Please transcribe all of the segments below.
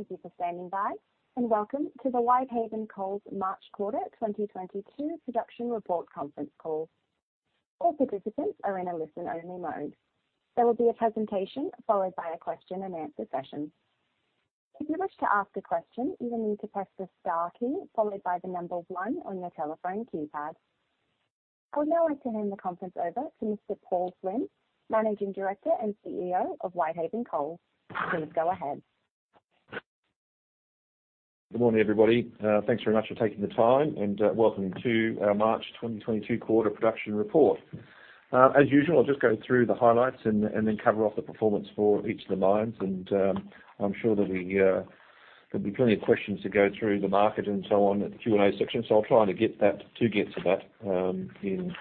Thank you for standing by, and welcome to the Whitehaven Coal's March Quarter 2022 Production Report Conference Call. All participants are in a listen-only mode. There will be a presentation followed by a question-and-answer session. If you wish to ask a question, you will need to press the star key followed by the number one on your telephone keypad. I would now like to hand the conference over to Mr. Paul Flynn, Managing Director and CEO of Whitehaven Coal. Please go ahead. Good morning, everybody. Thanks very much for taking the time and welcome to our March 2022 Quarter Production Report. As usual, I'll just go through the highlights and then cover off the performance for each of the lines, and I'm sure there'll be plenty of questions to go through the market and so on at the Q&A section, so I'll try to get to that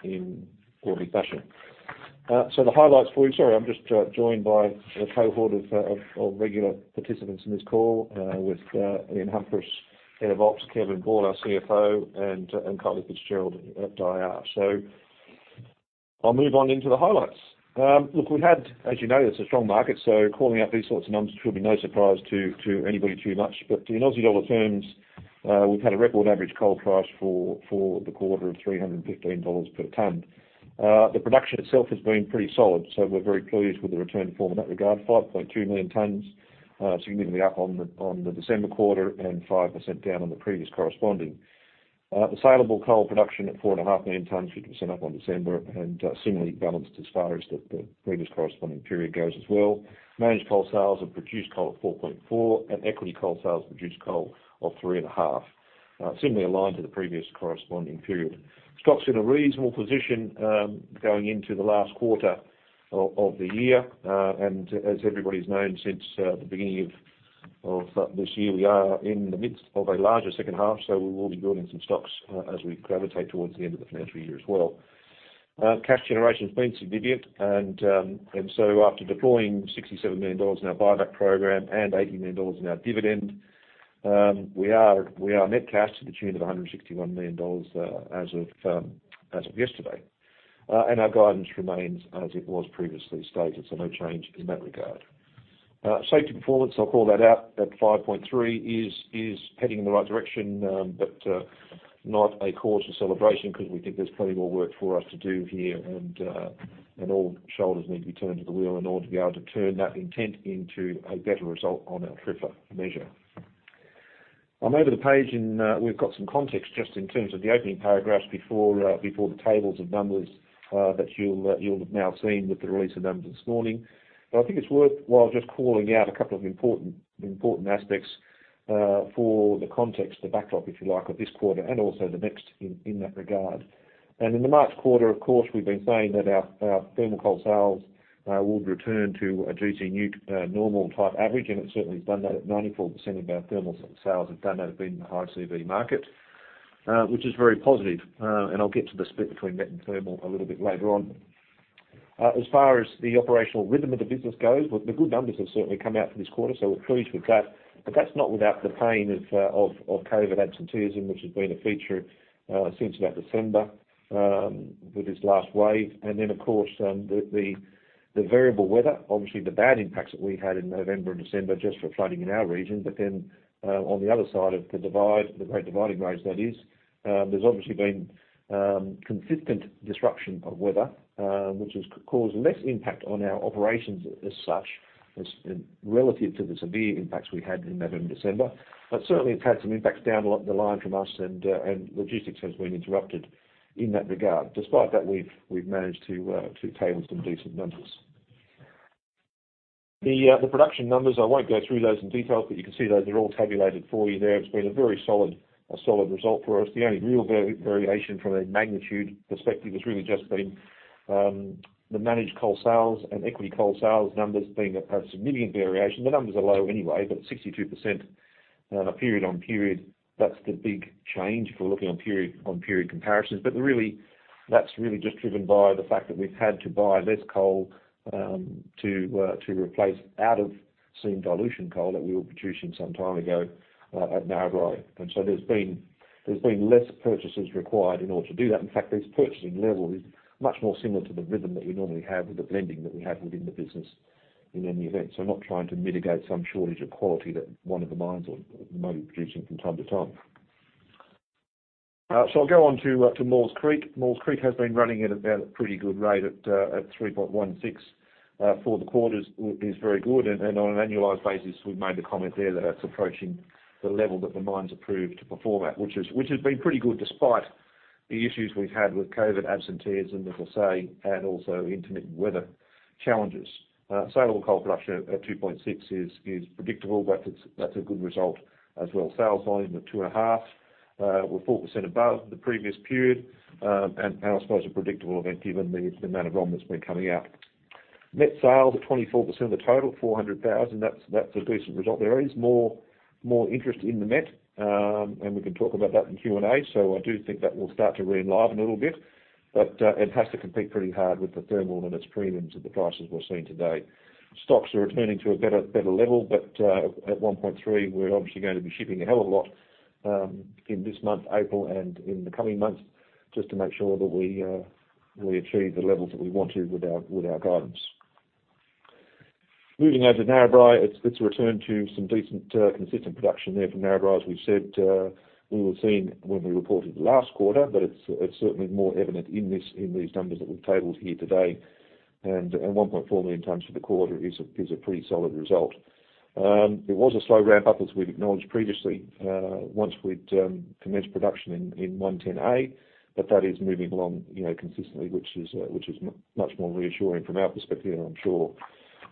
in orderly fashion. So the highlights for you, sorry, I'm just joined by a cohort of regular participants in this call with Ian Humphris, head of Ops, Kevin Ball, our CFO, and Kylie FitzGerald at IR, so I'll move on into the highlights. Look, we had, as you know, it's a strong market, so calling out these sorts of numbers should be no surprise to anybody too much. In Aussie dollar terms, we've had a record average coal price for the quarter of 315 dollars per tonne. The production itself has been pretty solid, so we're very pleased with the return from in that regard: 5.2 million tonnes, significantly up on the December quarter and 5% down on the previous corresponding. The saleable coal production at 4.5 million tonnes, 50% up on December, and similarly balanced as far as the previous corresponding period goes as well. Managed coal sales have produced coal at 4.4, and equity coal sales produced coal of 3.5, similarly aligned to the previous corresponding period. Stocks in a reasonable position going into the last quarter of the year. As everybody's known, since the beginning of this year, we are in the midst of a larger second half, so we will be building some stocks as we gravitate towards the end of the financial year as well. Cash generation has been significant, and so after deploying 67 million dollars in our buyback program and 80 million dollars in our dividend, we are net cash to the tune of 161 million dollars as of yesterday. Our guidance remains as it was previously stated, so no change in that regard. Safety performance, I'll call that out at 5.3, is heading in the right direction, but not a cause for celebration because we think there's plenty more work for us to do here, and all shoulders need to be turned to the wheel in order to be able to turn that intent into a better result on our TRIFR measure. I'll move the page, and we've got some context just in terms of the opening paragraphs before the tables of numbers that you'll have now seen with the release of numbers this morning. But I think it's worthwhile just calling out a couple of important aspects for the context, the backdrop, if you like, of this quarter and also the next in that regard. In the March quarter, of course, we've been saying that our thermal coal sales would return to a gC NEWC type average, and it certainly has done that. 94% of our thermal sales have done that. It's been the highest met market, which is very positive, and I'll get to the split between met and thermal a little bit later on. As far as the operational rhythm of the business goes, the good numbers have certainly come out for this quarter, so we're pleased with that, but that's not without the pain of COVID absenteeism, which has been a feature since about December with this last wave, and then, of course, the variable weather, obviously the bad impacts that we had in November and December just for flooding in our region, but then on the other side of the divide, the Great Dividing Range, that is, there's obviously been consistent disruption of weather, which has caused less impact on our operations as such relative to the severe impacts we had in November and December, but certainly, it's had some impacts down the line from us, and logistics has been interrupted in that regard. Despite that, we've managed to table some decent numbers. The production numbers, I won't go through those in detail, but you can see those are all tabulated for you there. It's been a very solid result for us. The only real variation from a magnitude perspective has really just been the managed coal sales and equity coal sales numbers being a significant variation. The numbers are low anyway, but 62% period on period, that's the big change if we're looking on period comparisons. But that's really just driven by the fact that we've had to buy less coal to replace out-of-seam dilution coal that we were producing some time ago at Narrabri. And so there's been less purchases required in order to do that. In fact, this purchasing level is much more similar to the rhythm that we normally have with the blending that we have within the business in any event. So not trying to mitigate some shortage of quality that one of the mines may be producing from time to time. So I'll go on to Maules Creek. Maules Creek has been running at a pretty good rate at 3.16 for the quarter. It's very good. And on an annualized basis, we've made the comment there that that's approaching the level that the mines are proved to perform at, which has been pretty good despite the issues we've had with COVID absenteeism, as I say, and also intermittent weather challenges. Saleable coal production at 2.6 is predictable, but that's a good result as well. Sales volume at 2.5, we're 4% above the previous period, and I suppose a predictable event given the amount of ROM that's been coming out. Net sales at 24% of the total, 400,000, that's a decent result. There is more interest in the net, and we can talk about that in Q&A. So I do think that will start to re-enliven a little bit, but it has to compete pretty hard with the thermal and its premiums at the prices we're seeing today. Stocks are returning to a better level, but at 1.3, we're obviously going to be shipping a hell of a lot in this month, April, and in the coming months just to make sure that we achieve the levels that we want to with our guidance. Moving over to Narrabri, it's returned to some decent consistent production there from Narrabri, as we've said. We were seeing when we reported last quarter, but it's certainly more evident in these numbers that we've tabled here today, and 1.4 million tons for the quarter is a pretty solid result. It was a slow ramp-up, as we've acknowledged previously, once we'd commenced production in 110A, but that is moving along consistently, which is much more reassuring from our perspective, and I'm sure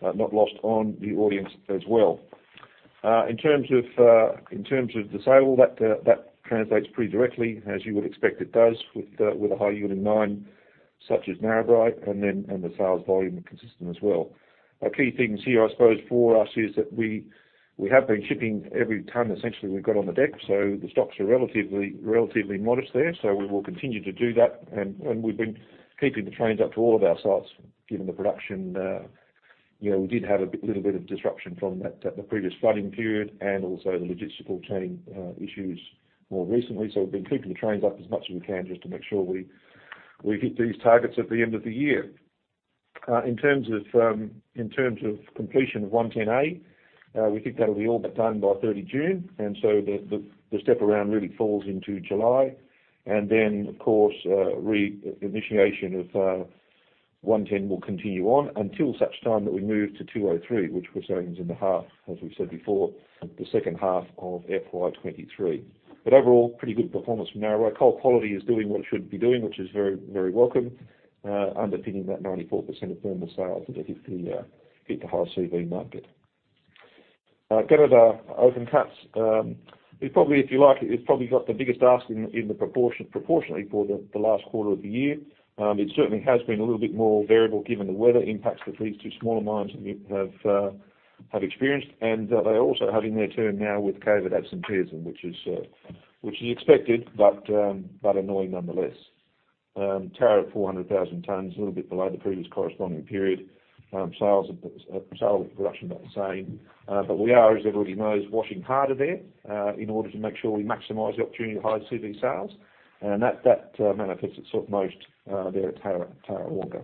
not lost on the audience as well. In terms of the sale, that translates pretty directly, as you would expect it does, with a high yielding mine such as Narrabri, and then the sales volume consistent as well. Key things here, I suppose, for us is that we have been shipping every ton essentially we've got on the deck, so the stocks are relatively modest there. So we will continue to do that, and we've been keeping the trains up to all of our sites given the production. We did have a little bit of disruption from the previous flooding period and also the logistical chain issues more recently. So we've been keeping the trains up as much as we can just to make sure we hit these targets at the end of the year. In terms of completion of 110A, we think that'll be all but done by 30 June, and so the step around really falls into July. And then, of course, re-initiation of 110 will continue on until such time that we move to 203, which we're saying is in the half, as we've said before. The second half of FY23. But overall, pretty good performance from Narrabri. Coal quality is doing what it should be doing, which is very welcome, underpinning that 94% of thermal sales that hit the high CV market. Get out our open cuts. If you like, it's probably got the biggest ask in the proportionate for the last quarter of the year. It certainly has been a little bit more variable given the weather impacts that these two smaller mines have experienced, and they're also having their turn now with COVID absenteeism, which is expected but annoying nonetheless. Tarrawonga at 400,000 tonnes, a little bit below the previous corresponding period. Sales with production about the same, but we are, as everybody knows, washing harder there in order to make sure we maximize the opportunity to high CV sales, and that manifests itself most there at Tarrawonga.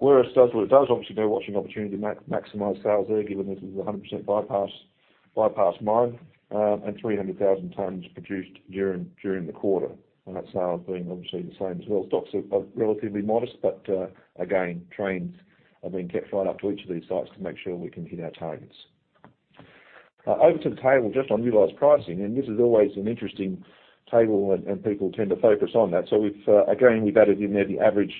Werris Creek does what it does, obviously no washing opportunity to maximise sales there given this is a 100% bypass mine and 300,000 tons produced during the quarter, and that sales being obviously the same as well. Stocks are relatively modest, but again, trains are being kept right up to each of these sites to make sure we can hit our targets. Over to the table just on utilised pricing, and this is always an interesting table, and people tend to focus on that. So again, we've added in there the average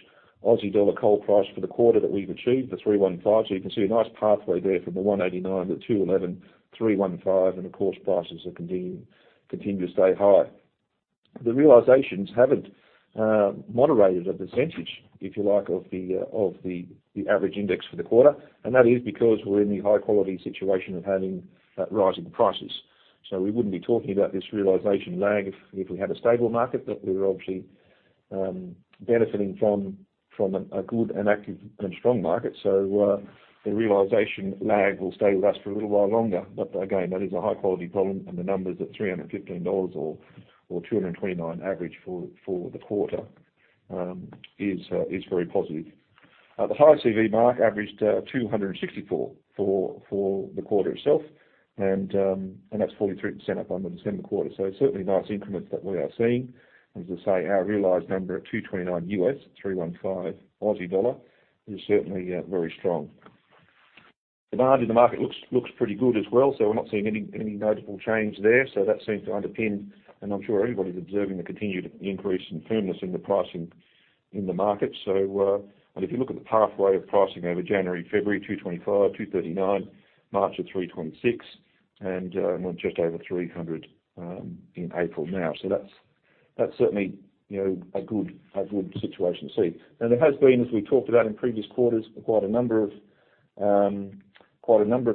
Aussie dollar coal price for the quarter that we've achieved, the 315. So you can see a nice pathway there from the 189 to the 211, 315, and of course, prices continue to stay high. The realisations haven't moderated a percentage, if you like, of the average index for the quarter, and that is because we're in the high-quality situation of having rising prices. So we wouldn't be talking about this realisation lag if we had a stable market that we were obviously benefiting from a good and active and strong market. So the realization lag will stay with us for a little while longer, but again, that is a high-quality problem, and the numbers at 315 dollars or $229 average for the quarter is very positive. The high CV market averaged 264 for the quarter itself, and that's 43% up on the December quarter. So certainly nice increments that we are seeing. And as I say, our realized number at $229 US, 315 Aussie dollar, is certainly very strong. In our view, the market looks pretty good as well, so we're not seeing any notable change there. So that seems to underpin, and I'm sure everybody's observing the continued increase in firmness in the pricing in the market. And if you look at the pathway of pricing over January, February, $225, $239, March of $326, and we're just over $300 in April now. So that's certainly a good situation to see. There has been, as we've talked about in previous quarters, quite a number of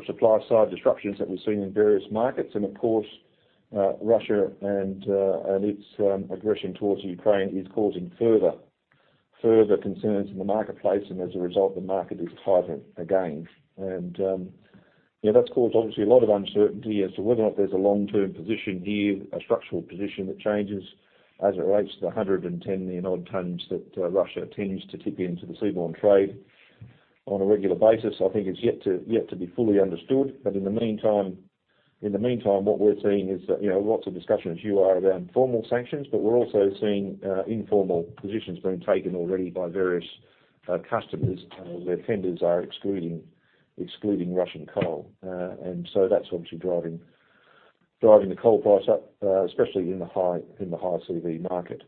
supply-side disruptions that we've seen in various markets. Of course, Russia and its aggression towards Ukraine is causing further concerns in the marketplace, and as a result, the market is tighter again. That's caused, obviously, a lot of uncertainty as to whether or not there's a long-term position here, a structural position that changes as it relates to the 110 million odd tonnes that Russia tends to tip into the seaborne trade on a regular basis. I think it's yet to be fully understood, but in the meantime, what we're seeing is lots of discussion as you are around formal sanctions, but we're also seeing informal positions being taken already by various customers where tenders are excluding Russian coal. And so that's obviously driving the coal price up, especially in the high CV market.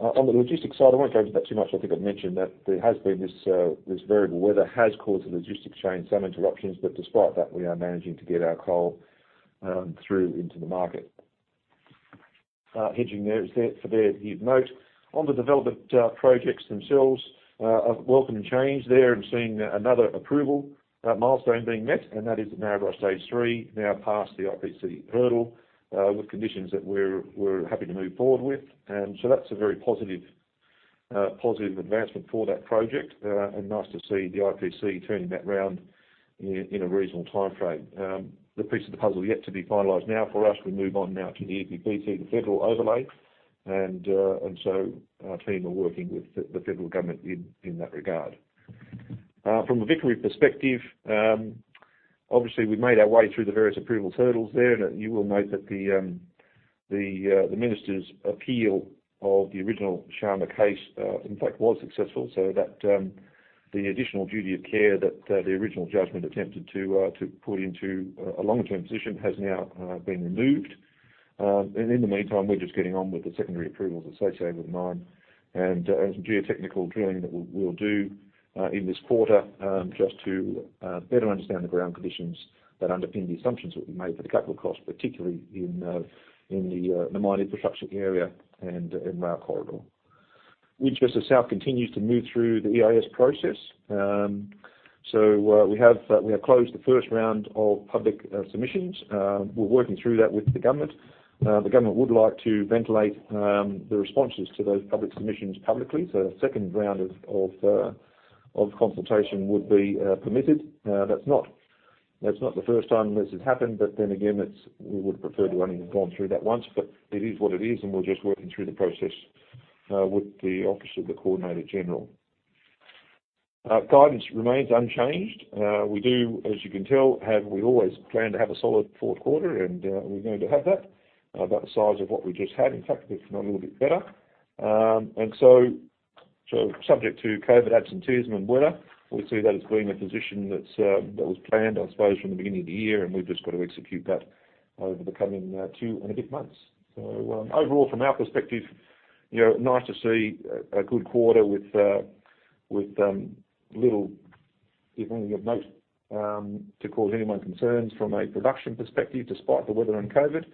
On the logistics side, I won't go into that too much. I think I've mentioned that there has been this variable weather has caused the logistics chain some interruptions, but despite that, we are managing to get our coal through into the market. Hedging there for there to give note. On the development projects themselves, a welcome change there. I'm seeing another approval milestone being met, and that is Narrabri Stage 3, now past the IPC hurdle with conditions that we're happy to move forward with. And so that's a very positive advancement for that project, and nice to see the IPC turning that round in a reasonable time frame. The piece of the puzzle yet to be finalised now for us. We move on now to the EPBC, the federal overlay, and so our team are working with the federal government in that regard. From a Vickery perspective, obviously, we've made our way through the various approvals hurdles there, and you will note that the minister's appeal of the original Sharma case, in fact, was successful. So the additional duty of care that the original judgment attempted to put into a longer-term position has now been removed. And in the meantime, we're just getting on with the secondary approvals associated with the mine. And some geotechnical drilling that we'll do in this quarter just to better understand the ground conditions that underpin the assumptions that we made for the capital cost, particularly in the mine infrastructure area and in Rail Corridor. Winchester South continues to move through the EIS process. So we have closed the first round of public submissions. We're working through that with the government. The government would like to ventilate the responses to those public submissions publicly. So a second round of consultation would be permitted. That's not the first time this has happened, but then again, we would have preferred to have gone through that once. But it is what it is, and we're just working through the process with the Office of the Coordinator-General. Guidance remains unchanged. We do, as you can tell, have. We always planned to have a solid fourth quarter, and we're going to have that, about the size of what we just had. In fact, if not a little bit better. And so, subject to COVID absenteeism and weather, we see that it's been a position that was planned, I suppose, from the beginning of the year, and we've just got to execute that over the coming two and a bit months. So overall, from our perspective, nice to see a good quarter with little, if anything, of note to cause anyone concerns from a production perspective, despite the weather and COVID,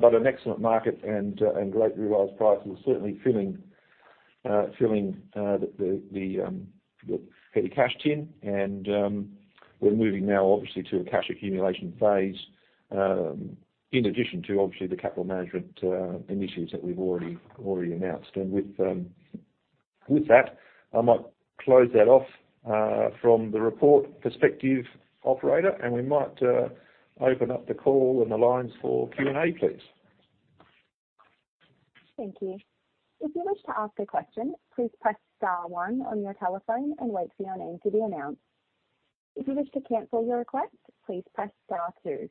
but an excellent market and great utilized prices certainly filling the heavy cash tin. And we're moving now, obviously, to a cash accumulation phase in addition to, obviously, the capital management initiatives that we've already announced. And with that, I might close that off from the report perspective, Operator, and we might open up the call and the lines for Q&A, please. Thank you. If you wish to ask a question, please press star one on your telephone and wait for your name to be announced. If you wish to cancel your request, please press star two.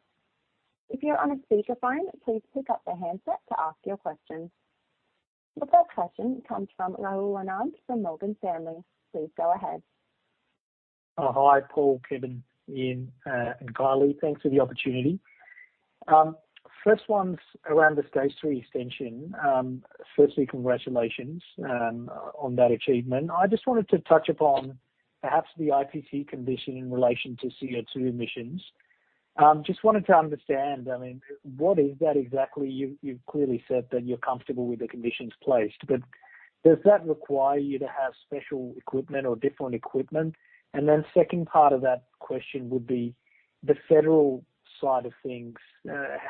If you're on a speakerphone, please pick up the handset to ask your question. The first question comes from Rahul Anand from Morgan Stanley. Please go ahead. Hi, Paul, Kevin, Ian, and Kylie. Thanks for the opportunity. First one's around the Stage 3 extension. Firstly, congratulations on that achievement. I just wanted to touch upon perhaps the IPC condition in relation to CO2 emissions. Just wanted to understand, I mean, what is that exactly? You've clearly said that you're comfortable with the conditions placed, but does that require you to have special equipment or different equipment? And then second part of that question would be the federal side of things.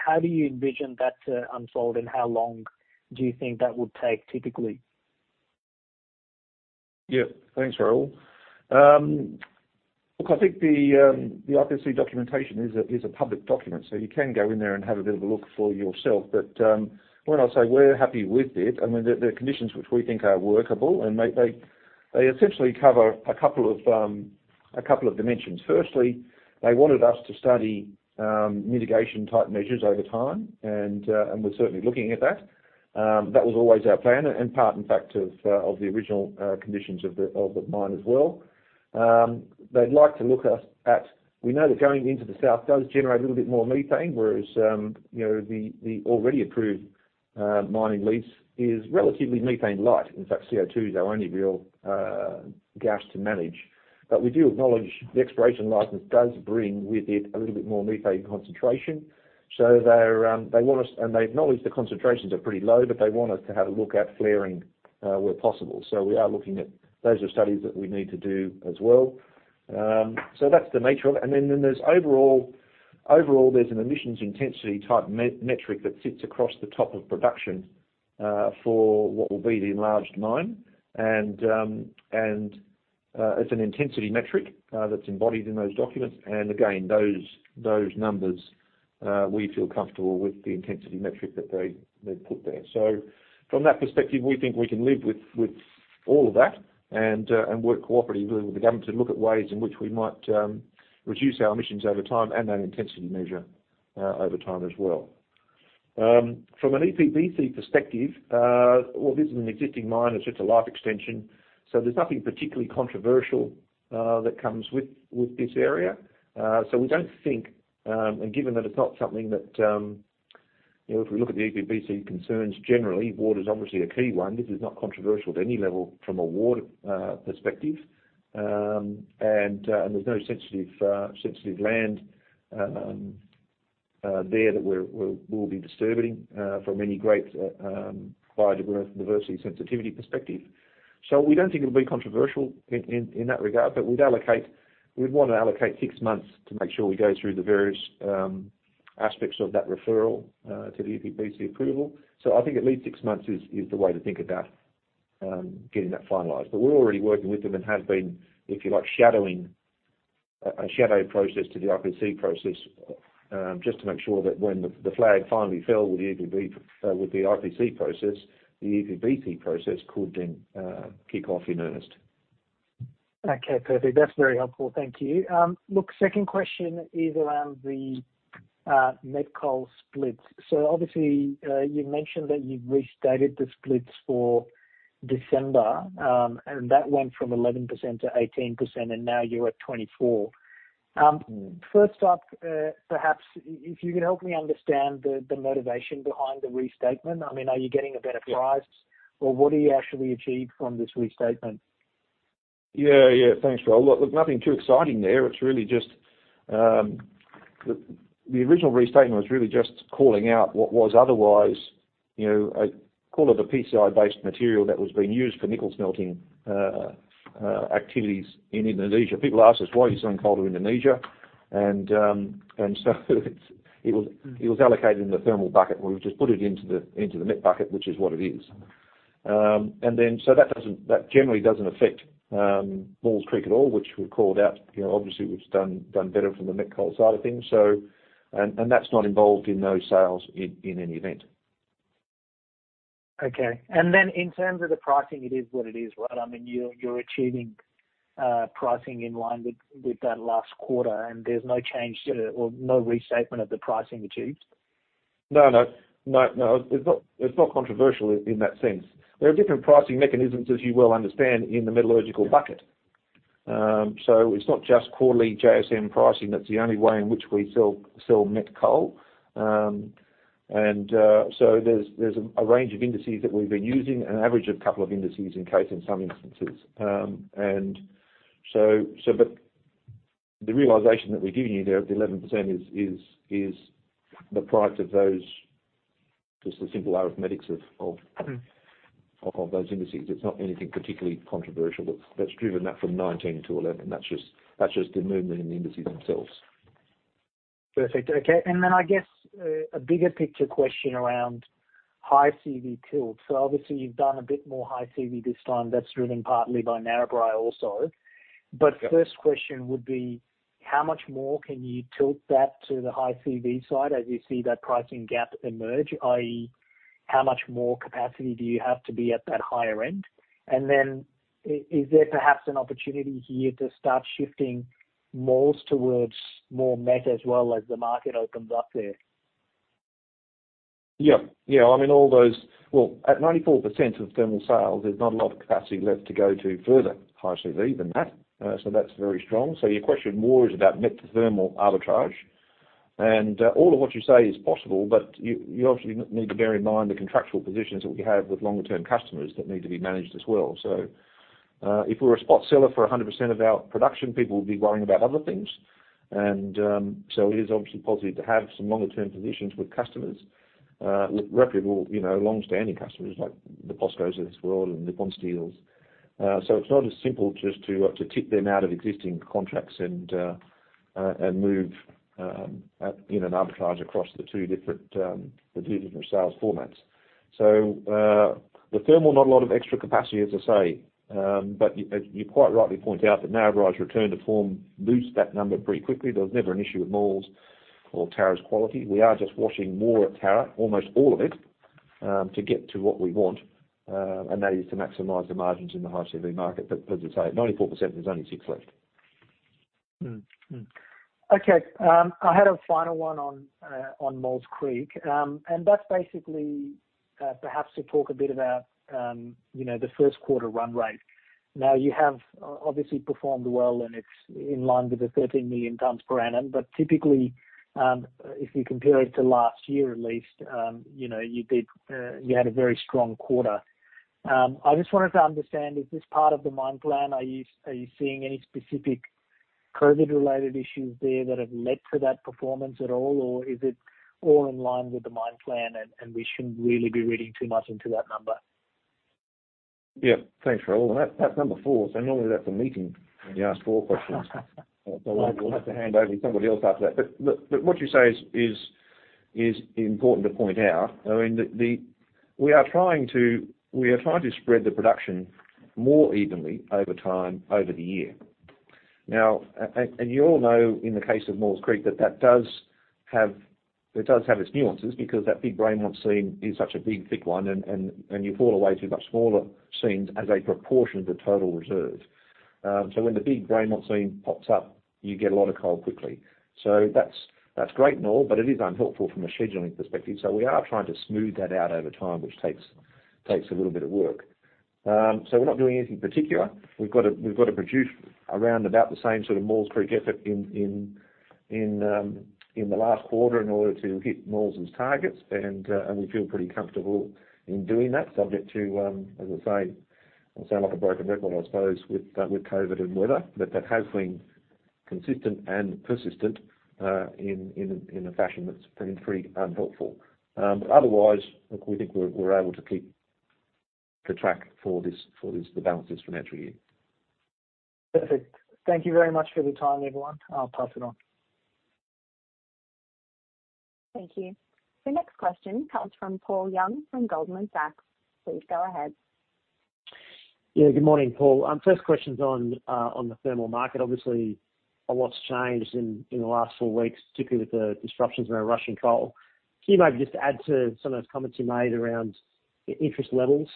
How do you envision that to unfold, and how long do you think that would take typically? Yeah. Thanks, Rahul. Look, I think the IPC documentation is a public document, so you can go in there and have a bit of a look for yourself. But when I say we're happy with it, I mean, the conditions which we think are workable, and they essentially cover a couple of dimensions. Firstly, they wanted us to study mitigation-type measures over time, and we're certainly looking at that. That was always our plan and part, in fact, of the original conditions of the mine as well. They'd like to look at. We know that going into the south does generate a little bit more methane, whereas the already approved mining lease is relatively methane-light. In fact, CO2 is our only real gas to manage. But we do acknowledge the extension license does bring with it a little bit more methane concentration. So they want us, and they acknowledge the concentrations are pretty low, but they want us to have a look at flaring where possible. So we are looking at those as studies that we need to do as well. So that's the nature of it. And then overall, there's an emissions intensity type metric that sits across the top of production for what will be the enlarged mine. And it's an intensity metric that's embodied in those documents. And again, those numbers, we feel comfortable with the intensity metric that they've put there. So from that perspective, we think we can live with all of that and work cooperatively with the government to look at ways in which we might reduce our emissions over time and that intensity measure over time as well. From an EPBC perspective, well, this is an existing mine. It's just a life extension. So there's nothing particularly controversial that comes with this area. So we don't think, and given that it's not something that if we look at the EPBC concerns generally, water is obviously a key one. This is not controversial at any level from a water perspective. And there's no sensitive land there that we'll be disturbing from any great biodiversity sensitivity perspective. So we don't think it'll be controversial in that regard, but we'd want to allocate six months to make sure we go through the various aspects of that referral to the EPBC approval. So I think at least six months is the way to think about getting that finalized. But we're already working with them and have been, if you like, shadowing a shadow process to the IPC process just to make sure that when the flag finally fell with the IPC process, the EPBC process could then kick off in earnest. Okay. Perfect. That's very helpful. Thank you. Look, second question is around the net coal splits. So obviously, you mentioned that you've restated the splits for December, and that went from 11%-18%, and now you're at 24%. First up, perhaps if you could help me understand the motivation behind the restatement. I mean, are you getting a better price, or what do you actually achieve from this restatement? Yeah. Yeah. Thanks, Rahul. Look, nothing too exciting there. It's really just the original restatement was really just calling out what was otherwise a cargo of a PCI-based material that was being used for nickel smelting activities in Indonesia. People asked us, "Why are you selling coal to Indonesia?" And so it was allocated in the thermal bucket, and we've just put it into the met bucket, which is what it is. And then so that generally doesn't affect Maules Creek at all, which would call it out. Obviously, we've done better from the met coal side of things. And that's not involved in those sales in any event. Okay. And then in terms of the pricing, it is what it is, right? I mean, you're achieving pricing in line with that last quarter, and there's no change or no restatement of the pricing achieved? No, no. No, no. It's not controversial in that sense. There are different pricing mechanisms, as you well understand, in the metallurgical bucket. So it's not just quarterly JSM pricing. That's the only way in which we sell met coal. And so there's a range of indices that we've been using and an average of a couple of indices in case in some instances. And so the realization that we're giving you there at the 11% is the price of those, just the simple arithmetic of those indices. It's not anything particularly controversial that's driven that from 19% to 11%. That's just the movement in the indices themselves. Perfect. Okay. And then I guess a bigger picture question around high CV tilt. So obviously, you've done a bit more high CV this time. That's driven partly by Narrabri also. But first question would be, how much more can you tilt that to the high CV side as you see that pricing gap emerge, i.e., how much more capacity do you have to be at that higher end? And then is there perhaps an opportunity here to start shifting more towards more met as well as the market opens up there? Yeah. Yeah. I mean, all those, well, at 94% of thermal sales, there's not a lot of capacity left to go to further high CV than that. So that's very strong. So your question more is about met to thermal arbitrage. And all of what you say is possible, but you obviously need to bear in mind the contractual positions that we have with longer-term customers that need to be managed as well. So if we're a spot seller for 100% of our production, people will be worrying about other things. And so it is obviously positive to have some longer-term positions with customers, with reputable long-standing customers like the POSCOs of this world and the Baosteels. So it's not as simple just to tip them out of existing contracts and move in an arbitrage across the two different sales formats. So the thermal, not a lot of extra capacity, as I say. But you quite rightly point out that Narrabri's return to form boosts that number pretty quickly. There was never an issue with Maules or Tarrawonga's quality. We are just washing more at Tarrawonga, almost all of it, to get to what we want. And that is to maximize the margins in the high CV market. But as I say, at 94%, there's only six left. Okay. I had a final one on Maules Creek. That's basically perhaps to talk a bit about the first quarter run rate. Now, you have obviously performed well, and it's in line with the 13 million tonnes per annum. But typically, if you compare it to last year at least, you had a very strong quarter. I just wanted to understand, is this part of the mine plan? Are you seeing any specific COVID-related issues there that have led to that performance at all, or is it all in line with the mine plan, and we shouldn't really be reading too much into that number? Yeah. Thanks, Rahul. That's number four. Normally, that's a meeting when you ask four questions. We'll have to hand over to somebody else after that. Look, what you say is important to point out. I mean, we are trying to spread the production more evenly over time over the year. Now, and you all know in the case of Maules Creek that that does have its nuances because that big Braymont seam is such a big thick one, and you fall away to much smaller seams as a proportion of the total reserve. So when the big Braymont seam pops up, you get a lot of coal quickly. So that's great and all, but it is unhelpful from a scheduling perspective. So we are trying to smooth that out over time, which takes a little bit of work. So we're not doing anything particular. We've got to produce around about the same sort of Maules Creek effort in the last quarter in order to hit Maules' targets. And we feel pretty comfortable in doing that, subject to, as I say, it sounds like a broken record, I suppose, with COVID and weather. But that has been consistent and persistent in a fashion that's been pretty unhelpful. But otherwise, look, we think we're able to keep on track for the balance of this financial year. Perfect. Thank you very much for the time, everyone. I'll pass it on. Thank you. The next question comes from Paul Young from Goldman Sachs. Please go ahead. Yeah. Good morning, Paul. First question's on the thermal market. Obviously, a lot's changed in the last four weeks, particularly with the disruptions around Russian coal. Can you maybe just add to some of those comments you made around interest levels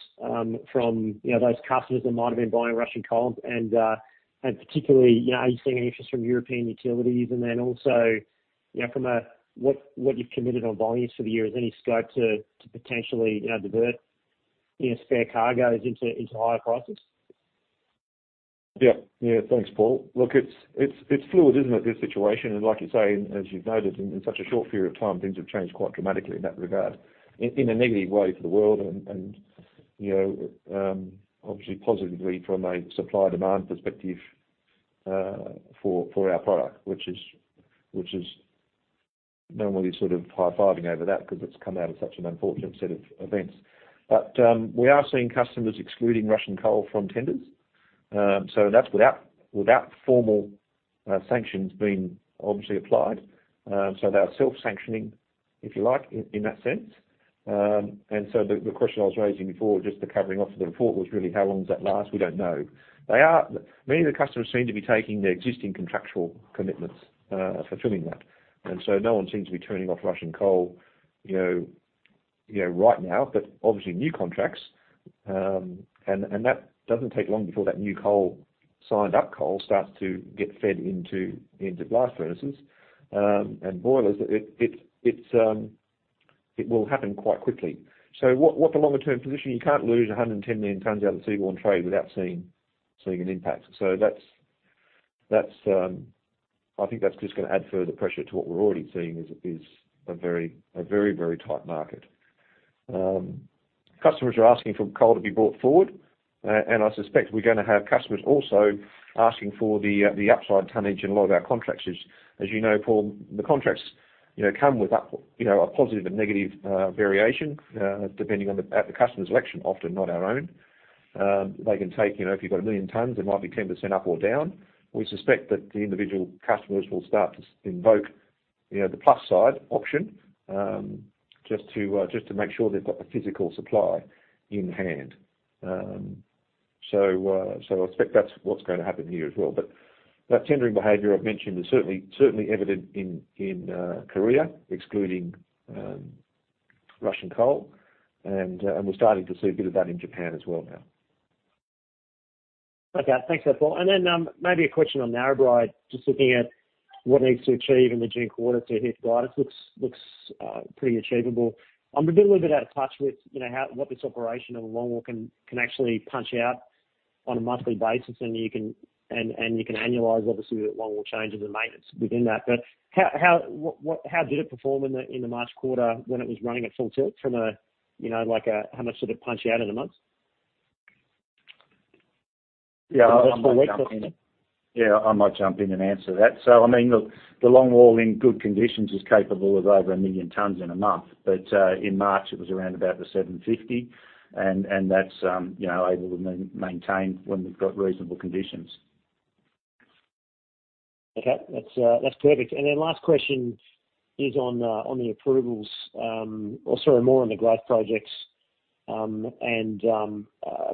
from those customers that might have been buying Russian coal? And particularly, are you seeing any interest from European utilities? And then also from what you've committed on volumes for the year, is there any scope to potentially divert spare cargoes into higher prices? Yeah. Yeah. Thanks, Paul. Look, it's fluid, isn't it, this situation? And like you say, as you've noted, in such a short period of time, things have changed quite dramatically in that regard. In a negative way for the world and obviously positively from a supply-demand perspective for our product, which is normally sort of high-fiving over that because it's come out of such an unfortunate set of events. But we are seeing customers excluding Russian coal from tenders. So that's without formal sanctions being obviously applied. So they are self-sanctioning, if you like, in that sense. And so the question I was raising before, just the covering off of the report, was really how long does that last? We don't know. Many of the customers seem to be taking their existing contractual commitments, fulfilling that. And so no one seems to be turning off Russian coal right now, but obviously new contracts. And that doesn't take long before that new coal, signed-up coal, starts to get fed into blast furnaces and boilers. It will happen quite quickly. So what's a longer-term position? You can't lose 110 million tonnes out of the seaborne trade without seeing an impact. So I think that's just going to add further pressure to what we're already seeing is a very, very tight market. Customers are asking for coal to be brought forward. And I suspect we're going to have customers also asking for the upside tonnage in a lot of our contracts. As you know, Paul, the contracts come with a positive and negative variation depending on the customer's election, often not our own. They can take if you've got a million tonnes, it might be 10% up or down. We suspect that the individual customers will start to invoke the plus side option just to make sure they've got the physical supply in hand. So I expect that's what's going to happen here as well. But that tendering behavior I've mentioned is certainly evident in Korea, excluding Russian coal. And we're starting to see a bit of that in Japan as well now. Okay. Thanks for that, Paul. And then maybe a question on Narrabri, just looking at what needs to achieve in the June quarter to hit the guidance looks pretty achievable. I'm a little bit out of touch with what this operation and the longwall can actually punch out on a monthly basis. And you can annualize, obviously, the longwall changes and maintenance within that. But how did it perform in the March quarter when it was running at full tilt from a how much did it punch out in a month? Yeah. I'll jump in. Yeah. I might jump in and answer that. So I mean, look, the longwall in good conditions is capable of over a million tonnes in a month. But in March, it was around about the 750. And that's able to maintain when we've got reasonable conditions. Okay. That's perfect. And then last question is on the approvals or sorry, more on the growth projects and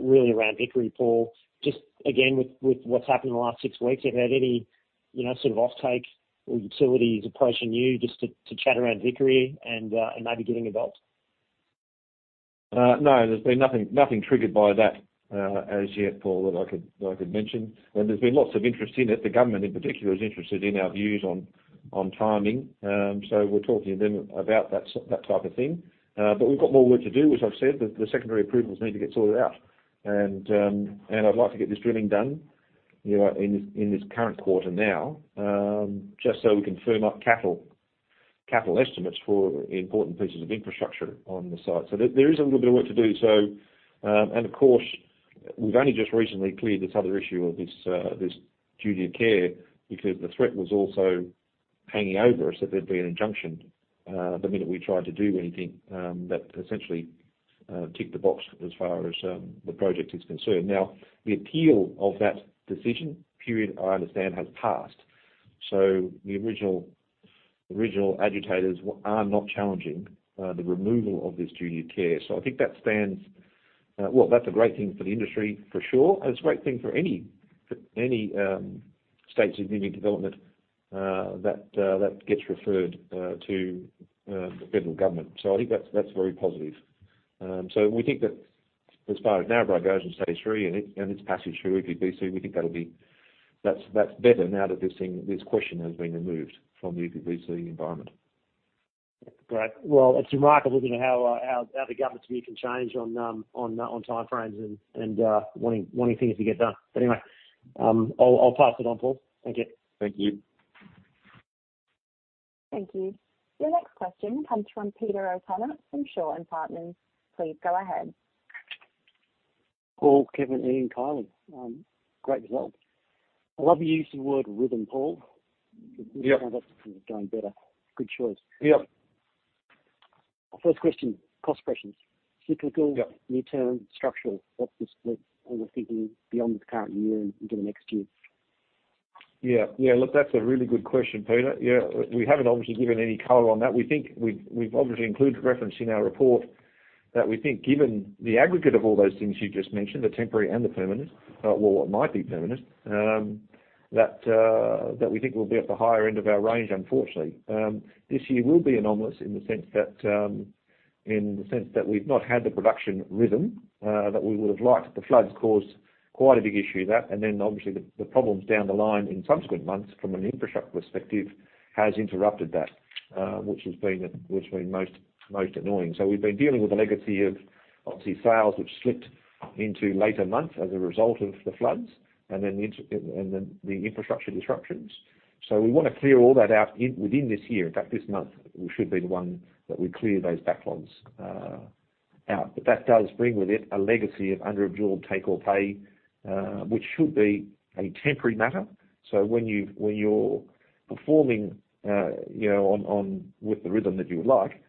really around Vickery, Paul. Just again, with what's happened in the last six weeks, have you had any sort of offtake or utilities approaching you just to chat around Vickery and maybe getting involved? No. There's been nothing triggered by that as yet, Paul, that I could mention. There's been lots of interest in it. The government, in particular, is interested in our views on timing. So we're talking to them about that type of thing. But we've got more work to do, as I've said. The secondary approvals need to get sorted out. And I'd like to get this drilling done in this current quarter now just so we can firm up capital estimates for important pieces of infrastructure on the site. So there is a little bit of work to do. And of course, we've only just recently cleared this other issue of this duty of care because the threat was also hanging over us that there'd be an injunction the minute we tried to do anything that essentially ticked the box as far as the project is concerned. Now, the appeal of that decision, period, I understand, has passed. The original agitators are not challenging the removal of this duty of care. I think that stands well. That's a great thing for the industry for sure. It's a great thing for any state's union development that gets referred to the federal government. I think that's very positive. We think that as far as Narrabri goes and stays free, and its passage through EPBC, we think that'll be better now that this question has been removed from the EPBC environment. Great. It's remarkable how the government's view can change on timeframes and wanting things to get done. Anyway, I'll pass it on, Paul. Thank you. Thank you. Thank you. Your next question comes from Peter O'Connor from Shaw and Partners. Please go ahead. Paul, Kevin, Ian, Kylie, great result. I love the use of the word rhythm, Paul. That's going better. Good choice. Yep. First question, cost questions. Cyclical, midterm, structural. What's this split? Are we thinking beyond this current year into the next year? Yeah. Yeah. Look, that's a really good question, Peter. Yeah. We haven't obviously given any color on that. We've obviously included reference in our report that we think given the aggregate of all those things you've just mentioned, the temporary and the permanent, well, what might be permanent, that we think we'll be at the higher end of our range, unfortunately. This year will be anomalous in the sense that we've not had the production rhythm that we would have liked. The floods caused quite a big issue of that. And then obviously, the problems down the line in subsequent months from an infrastructure perspective has interrupted that, which has been most annoying. So we've been dealing with the legacy of obviously sales which slipped into later months as a result of the floods and then the infrastructure disruptions. So we want to clear all that out within this year. In fact, this month should be the one that we clear those backlogs out. But that does bring with it a legacy of under-absorbed take-or-pay, which should be a temporary matter. So when you're performing with the rhythm that you would like,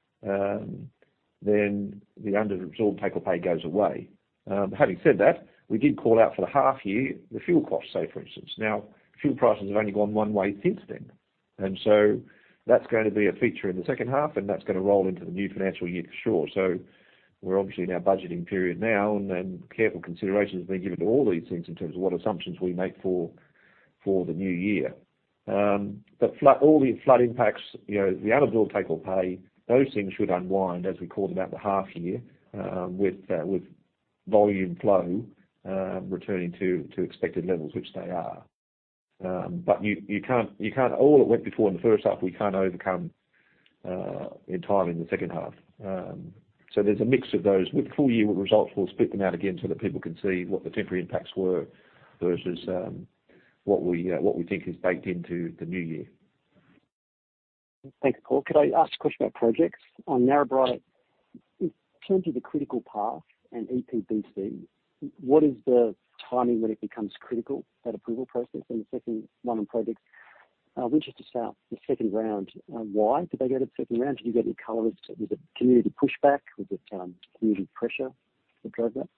then the under-absorbed take-or-pay goes away. Having said that, we did call out for the half year the fuel costs, say, for instance. Now, fuel prices have only gone one way since then. And so that's going to be a feature in the second half, and that's going to roll into the new financial year for sure. So we're obviously in our budgeting period now, and careful consideration has been given to all these things in terms of what assumptions we make for the new year. But all the flood impacts, the unabsorbed take-or-pay, those things should unwind as we call them out the half year with volume flow returning to expected levels, which they are. But all it went before in the first half, we can't overcome in time in the second half. So there's a mix of those. With the full year, we'll split them out again so that people can see what the temporary impacts were versus what we think is baked into the new year. Thanks, Paul. Could I ask a question about projects? On Narrabri, in terms of the critical path and EPBC, what is the timing when it becomes critical, that approval process? The second one on projects, we're interested to start the second round. Why did they go to the second round? Did you get any color? Was it community pushback? Was it community pressure that drove that?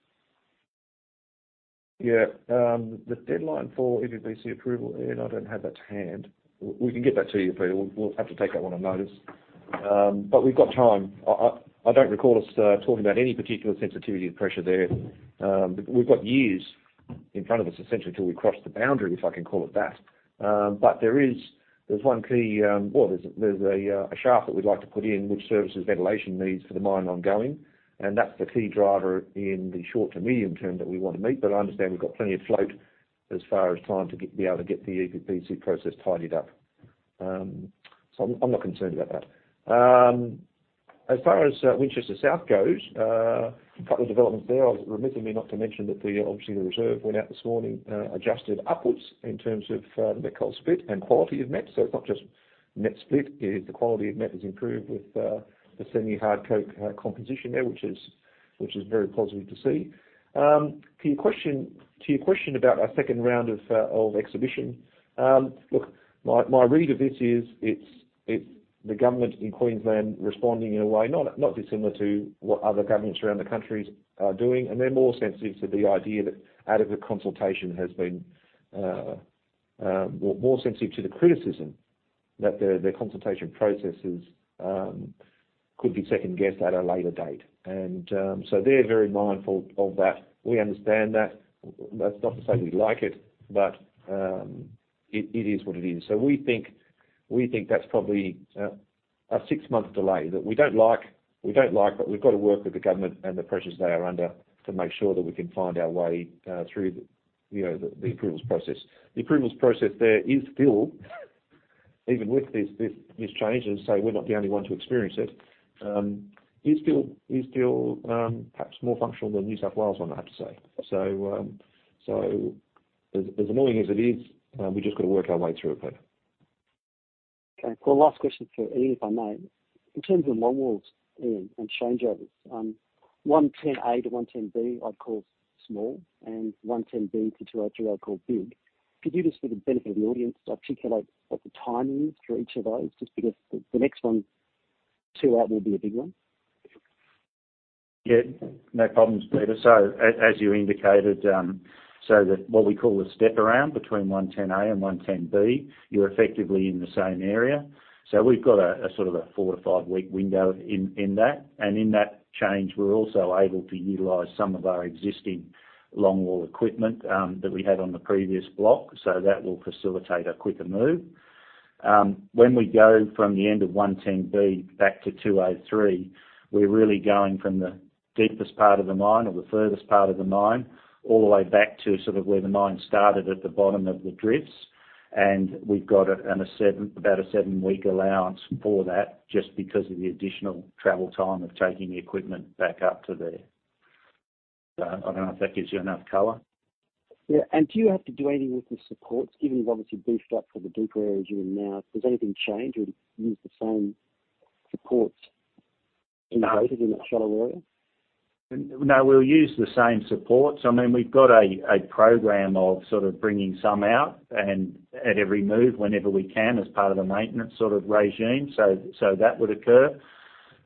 Yeah. The deadline for EPBC approval, I don't have that to hand. We can get that to you, Peter. We'll have to take that one on notice. But we've got time. I don't recall us talking about any particular sensitivity of pressure there. We've got years in front of us, essentially, till we cross the boundary, if I can call it that. But there's one key, well, there's a shaft that we'd like to put in which serves ventilation needs for the mine ongoing. And that's the key driver in the short to medium term that we want to meet. But I understand we've got plenty of float as far as time to be able to get the EPBC process tidied up. So I'm not concerned about that. As far as Winchester South goes, a couple of developments there. I was remiss of me not to mention that obviously the reserve went out this morning, adjusted upwards in terms of the met coal split and quality of met. So it's not just met split. The quality of met has improved with the semi-hard coking coal composition there, which is very positive to see. To your question about our second round of exhibition, look, my read of this is it's the government in Queensland responding in a way not dissimilar to what other governments around the country are doing. They're more sensitive to the idea that adequate consultation has been more sensitive to the criticism that their consultation processes could be second-guessed at a later date. They're very mindful of that. We understand that. That's not to say we like it, but it is what it is. We think that's probably a six-month delay that we don't like. We don't like it, but we've got to work with the government and the pressures they are under to make sure that we can find our way through the approvals process. The approvals process there is still, even with this change, as I say, we're not the only one to experience it, still perhaps more functional than New South Wales one, I have to say. As annoying as it is, we've just got to work our way through it, Peter. Okay. Well, last question for Ian, if I may. In terms of longwalls, Ian, and changeovers, 110A to 110B, I'd call small. And 110B to 203, I'd call big. Could you just, for the benefit of the audience, articulate what the timing is for each of those? Just because the next one, two out, will be a big one. Yeah. No problems, Peter. So as you indicated, so what we call the step-around between 110A and 110B, you're effectively in the same area. So we've got a sort of a four- to five-week window in that. And in that change, we're also able to utilize some of our existing longwall equipment that we had on the previous block. So that will facilitate a quicker move. When we go from the end of 110B back to 203, we're really going from the deepest part of the mine or the furthest part of the mine all the way back to sort of where the mine started at the bottom of the drifts. We've got about a seven-week allowance for that just because of the additional travel time of taking the equipment back up to there. I don't know if that gives you enough color. Yeah. Do you have to do any with the supports? Given you've obviously beefed up for the deeper areas you're in now, does anything change? Would you use the same supports in that shallow area? No. We'll use the same supports. I mean, we've got a program of sort of bringing some out at every move whenever we can as part of the maintenance sort of regime. That would occur.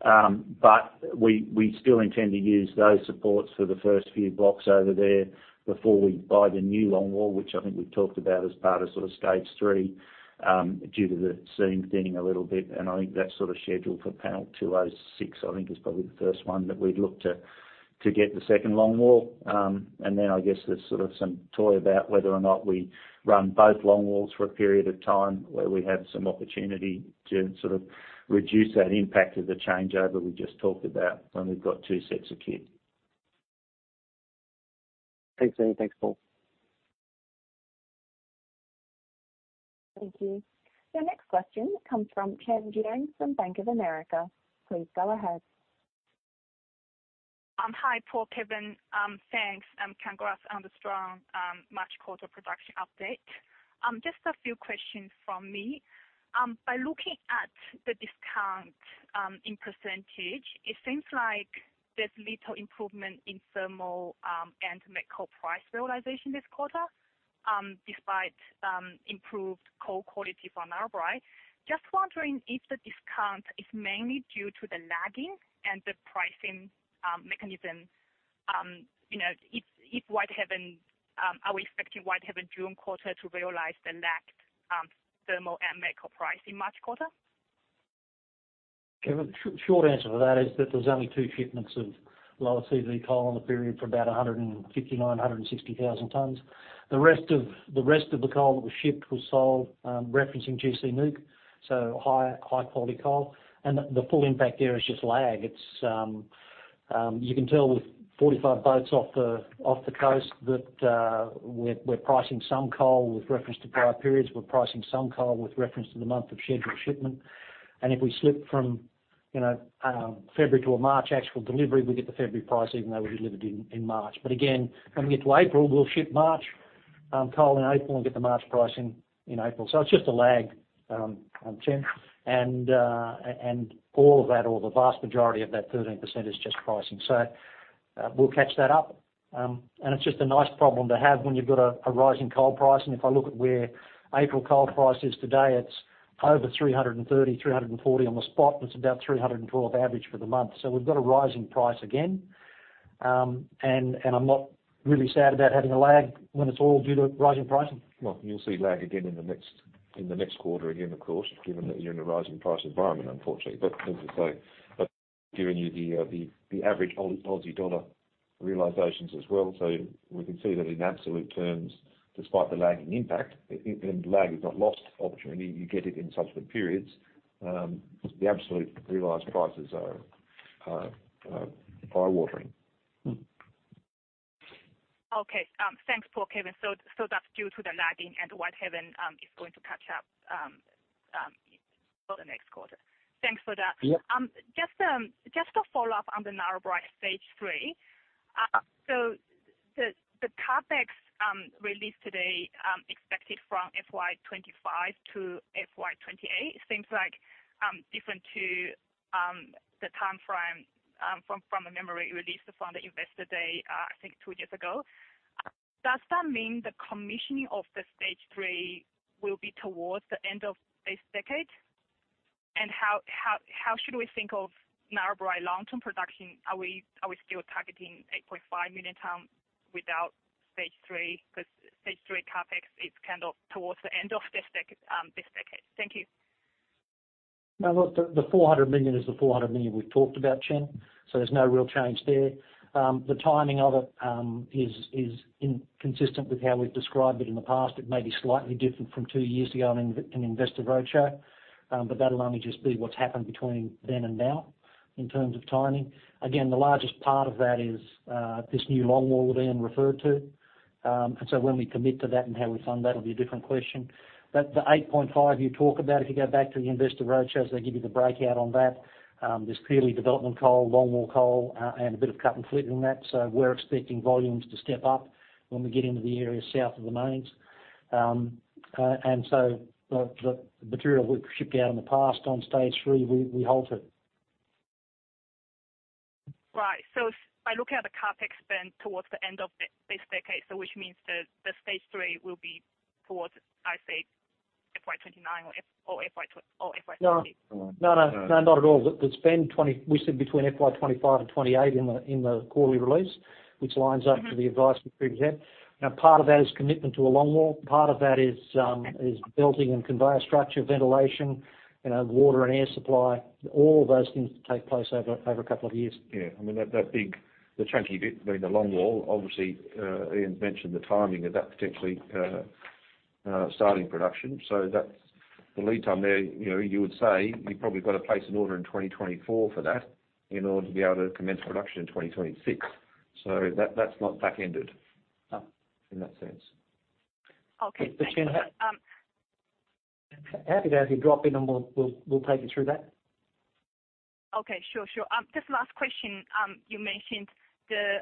But we still intend to use those supports for the first few blocks over there before we buy the new longwall, which I think we've talked about as part of sort of stage three due to the seam thing a little bit. And I think that sort of schedule for panel 206, I think, is probably the first one that we'd look to get the second longwall. And then I guess there's sort of some talk about whether or not we run both longwalls for a period of time where we have some opportunity to sort of reduce that impact of the changeover we just talked about when we've got two sets of kit. Thanks, Ian. Thanks, Paul. Thank you. Your next question comes from Chen Jiang from Bank of America. Please go ahead. Hi, Paul, Kevin. Thanks. Understood March quarter production update. Just a few questions from me. By looking at the discount in percentage, it seems like there's little improvement in thermal and met coal price realisation this quarter despite improved coal quality for Narrabri. Just wondering if the discount is mainly due to the lagging and the pricing mechanism. Are we expecting Whitehaven June quarter to realise the lagged thermal and met coal price in March quarter? Kevin, short answer for that is that there's only two shipments of lower CV coal in the period for about 159-160,000 tonnes. The rest of the coal that was shipped was sold referencing gC NEWC, so high-quality coal. And the full impact there is just lag. You can tell with 45 boats off the coast that we're pricing some coal with reference to prior periods. We're pricing some coal with reference to the month of scheduled shipment. And if we slip from February to a March actual delivery, we get the February price even though we delivered in March. But again, when we get to April, we'll ship March coal in April and get the March pricing in April. So it's just a lag, Chen. And all of that, or the vast majority of that 13%, is just pricing. So we'll catch that up. And it's just a nice problem to have when you've got a rising coal price. And if I look at where April coal price is today, it's over 330-340 on the spot. And it's about 312 average for the month. So we've got a rising price again. And I'm not really sad about having a lag when it's all due to rising pricing. You'll see lag again in the next quarter again, of course, given that you're in a rising price environment, unfortunately. But as I say, that's giving you the average Aussie dollar realizations as well. So we can see that in absolute terms, despite the lagging impact, and lag is not lost opportunity, you get it in subsequent periods, the absolute realized prices are eye-watering. Okay. Thanks, Paul, Kevin. So that's due to the lagging, and Whitehaven is going to catch up for the next quarter. Thanks for that. Just to follow up on the Narrabri Stage 3, so the CapEx released today expected from FY25 to FY28 seems different to the timeframe from the materials released from the investor day, I think, two years ago. Does that mean the commissioning of the Stage 3 will be towards the end of this decade? And how should we think of Narrabri long-term production? Are we still targeting 8.5 million tonne without stage three? Because stage three CapEx is kind of towards the end of this decade. Thank you. No, look, the 400 million is the 400 million we've talked about, Chen. So there's no real change there. The timing of it is consistent with how we've described it in the past. It may be slightly different from two years ago in an investor roadshow, but that'll only just be what's happened between then and now in terms of timing. Again, the largest part of that is this new longwall that Ian referred to. And so when we commit to that and how we fund that will be a different question. But the 8.5 you talk about, if you go back to the investor roadshows, they give you the breakout on that. There's clearly development coal, longwall coal, and a bit of cut and flit in that. So we're expecting volumes to step up when we get into the area south of the mains. And so the material we've shipped out in the past on stage three, we halted. Right. So by looking at the CapEx spend towards the end of this decade, so which means that the stage three will be towards, I'd say, FY29 or FY20? No, no, no. No, not at all. The spend, we said between FY25 and 28 in the quarterly release, which lines up to the advice we previously had. Now, part of that is commitment to a longwall. Part of that is building and conveyor structure, ventilation, water and air supply. All of those things take place over a couple of years. Yeah. I mean, the chunky bit, I mean, the longwall, obviously, Ian's mentioned the timing of that potentially starting production. So the lead time there, you would say you probably got to place an order in 2024 for that in order to be able to commence production in 2026. So that's not back-ended in that sense. Okay. But Chen, happy to have you drop in, and we'll take you through that. Okay. Sure, sure. Just last question. You mentioned the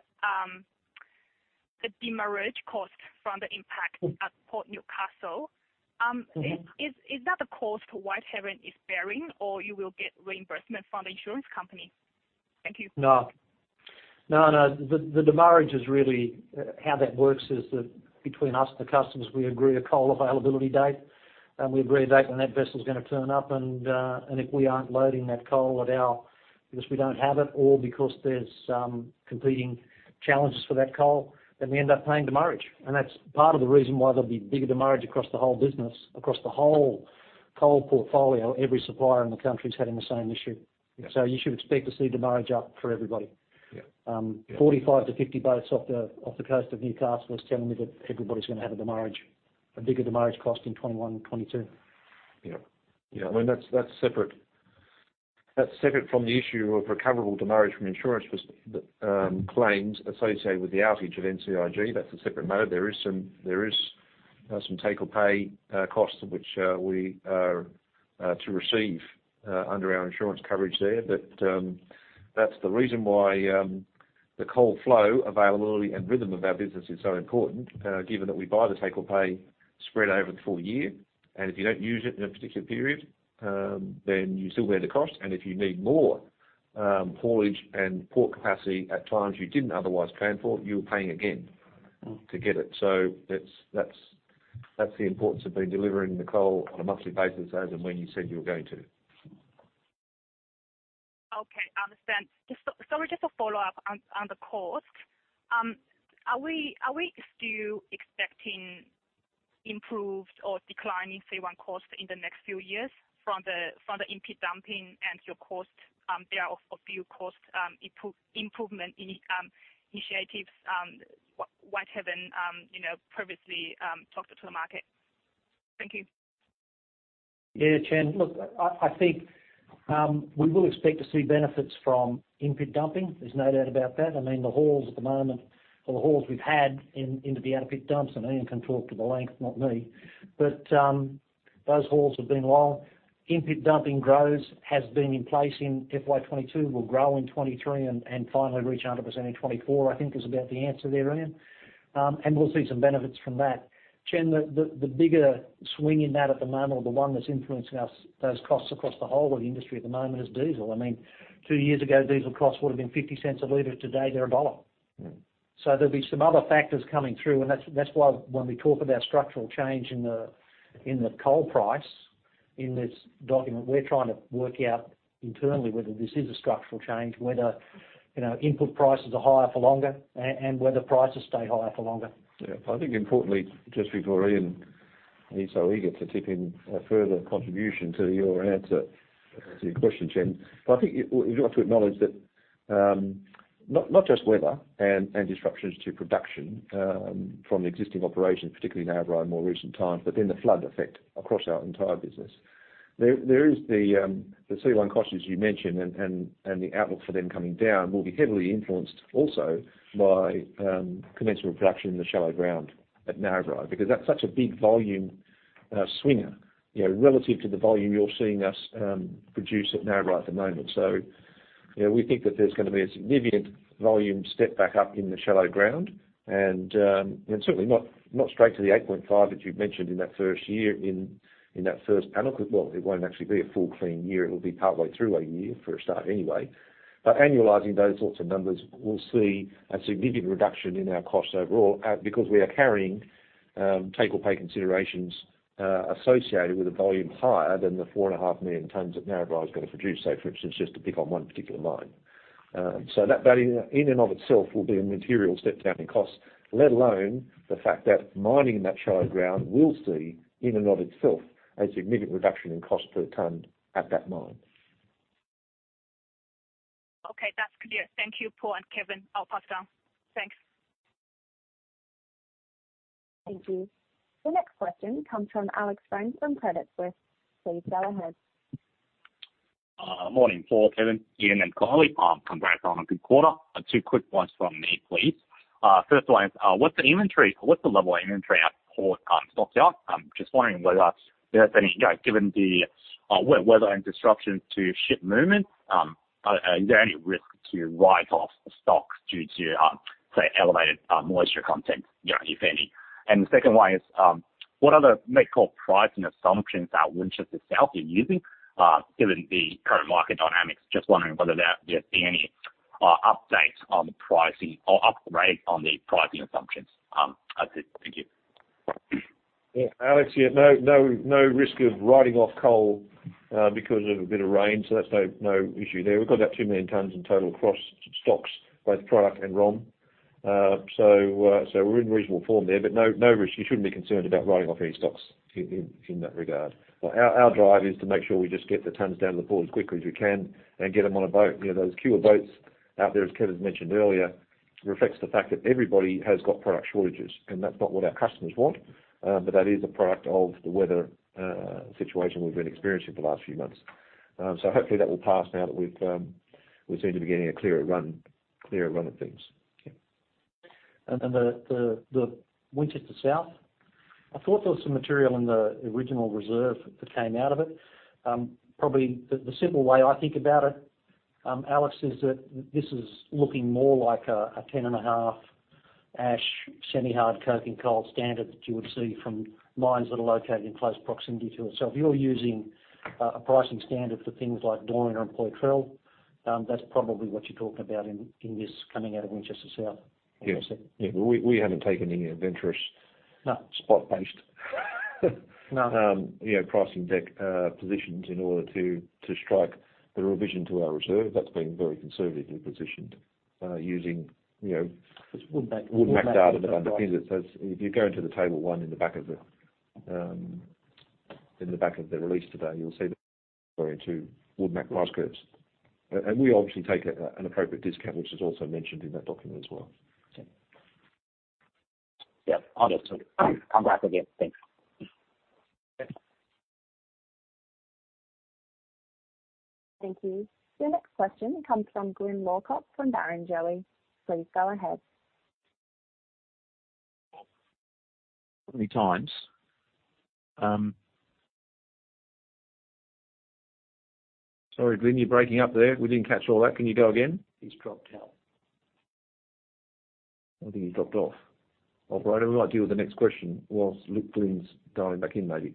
demurrage cost from the impact at Port of Newcastle. Is that the cost Whitehaven is bearing, or you will get reimbursement from the insurance company? Thank you. No. No, no. The demurrage is really how that works is that between us and the customers, we agree a coal availability date. We agree a date when that vessel's going to turn up. And if we aren't loading that coal at our port because we don't have it or because there's competing challenges for that coal, then we end up paying demurrage. And that's part of the reason why there'll be bigger demurrage across the whole business, across the whole coal portfolio. Every supplier in the country is having the same issue. So you should expect to see demurrage up for everybody. 45-50 boats off the coast of Newcastle is telling me that everybody's going to have a bigger demurrage cost in 2021, 2022. Yeah. Yeah. I mean, that's separate from the issue of recoverable demurrage from insurance claims associated with the outage of NCIG. That's a separate matter. There is some take-or-pay cost which we are to receive under our insurance coverage there. But that's the reason why the coal flow, availability, and rhythm of our business is so important, given that we buy the take-or-pay spread over the full year. And if you don't use it in a particular period, then you still bear the cost. And if you need more haulage and port capacity at times you didn't otherwise plan for, you're paying again to get it. So that's the importance of being delivering the coal on a monthly basis as and when you said you were going to. Okay. I understand. Sorry, just a follow-up on the cost. Are we still expecting improved or declining C1 cost in the next few years from the in-pit dumping and your cost? There are a few cost improvement initiatives Whitehaven previously talked to the market. Thank you. Yeah, Chen. Look, I think we will expect to see benefits from in-pit dumping. There's no doubt about that. I mean, the hauls at the moment, or the hauls we've had into the out-of-pit dumps, and Ian can talk to the length, not me, but those hauls have been long. In-pit dumping has been in place in FY 2022, will grow in 2023, and finally reach 100% in 2024, I think, is about the answer there, Ian, and we'll see some benefits from that. Chen, the bigger swing in that at the moment, or the one that's influencing those costs across the whole of the industry at the moment, is diesel. I mean, two years ago, diesel costs would have been 50 cents a liter. Today, they're a dollar, so there'll be some other factors coming through. And that's why when we talk about structural change in the coal price in this document, we're trying to work out internally whether this is a structural change, whether input prices are higher for longer, and whether prices stay higher for longer. Yeah. I think importantly, just before Ian, he's so eager to tip in a further contribution to your answer to your question, Chen. But I think you've got to acknowledge that not just weather and disruptions to production from the existing operations, particularly Narrabri in more recent times, but then the flood effect across our entire business. There is the C1 cost, as you mentioned, and the outlook for them coming down will be heavily influenced also by conventional production in the shallow ground at Narrabri because that's such a big volume swinger relative to the volume you're seeing us produce at Narrabri at the moment. We think that there's going to be a significant volume step back up in the shallow ground. And certainly not straight to the 8.5 that you've mentioned in that first year in that first panel. Well, it won't actually be a full clean year. It will be partway through a year for a start anyway. But annualizing those sorts of numbers, we'll see a significant reduction in our costs overall because we are carrying take-or-pay considerations associated with a volume higher than the 4.5 million tons that Narrabri is going to produce, say, for instance, just to pick on one particular mine. So that in and of itself will be a material step down in costs, let alone the fact that mining in that shallow ground will see in and of itself a significant reduction in cost per ton at that mine. Okay. That's clear. Thank you, Paul and Kevin. I'll pass down. Thanks. Thank you. Your next question comes from Alex Prangnell from Credit Suisse. Please go ahead. Morning, Paul, Kevin, Ian, and Kylie. Congrats on a good quarter. Two quick ones from me, please. First one, what's the level of inventory at port stocked out? Just wondering whether there's any, given the weather and disruptions to ship movement, is there any risk to write off stocks due to, say, elevated moisture content, if any? And the second one is, what are the met coal pricing assumptions that Winchester South is using, given the current market dynamics? Just wondering whether there's been any updates on the pricing or upgrades on the pricing assumptions. That's it. Thank you. Well, Alex, yeah, no risk of writing off coal because of a bit of rain. So that's no issue there. We've got about 2 million tons in total across stocks, both product and ROM. So we're in reasonable form there. But no risk. You shouldn't be concerned about writing off any stocks in that regard. Our drive is to make sure we just get the tons down to the port as quickly as we can and get them on a boat. Those fewer boats out there, as Kevin's mentioned earlier, reflects the fact that everybody has got product shortages. And that's not what our customers want, but that is a product of the weather situation we've been experiencing for the last few months. So hopefully that will pass now that we're seeing the beginning of a clearer run of things. Yeah. And the Winchester South, I thought there was some material in the original reserve that came out of it. Probably the simple way I think about it, Alex, is that this is looking more like a 10.5-ash semi-hard coking coal standard that you would see from mines that are located in close proximity to it. So if you're using a pricing standard for things like Daunia or Poitrel, that's probably what you're talking about in this coming out of Winchester South, as I said. Yeah. We haven't taken any adventurous spot-based pricing decisions in order to strike the revision to our reserve. That's been very conservatively positioned using WoodMac data that I'm looking at. If you go into the Table 1 in the back of the release today, you'll see the two WoodMac price curves. And we obviously take an appropriate discount, which is also mentioned in that document as well. Yeah. Understood. Congrats again. Thanks. Thank you. Your next question comes from Glyn Lawcock from Barrenjoey. Please go ahead. How many times? Sorry, Glyn, you're breaking up there. We didn't catch all that. Can you go again? He's dropped out. I think he's dropped off. All right. We might deal with the next question while Glyn's dialing back in, maybe.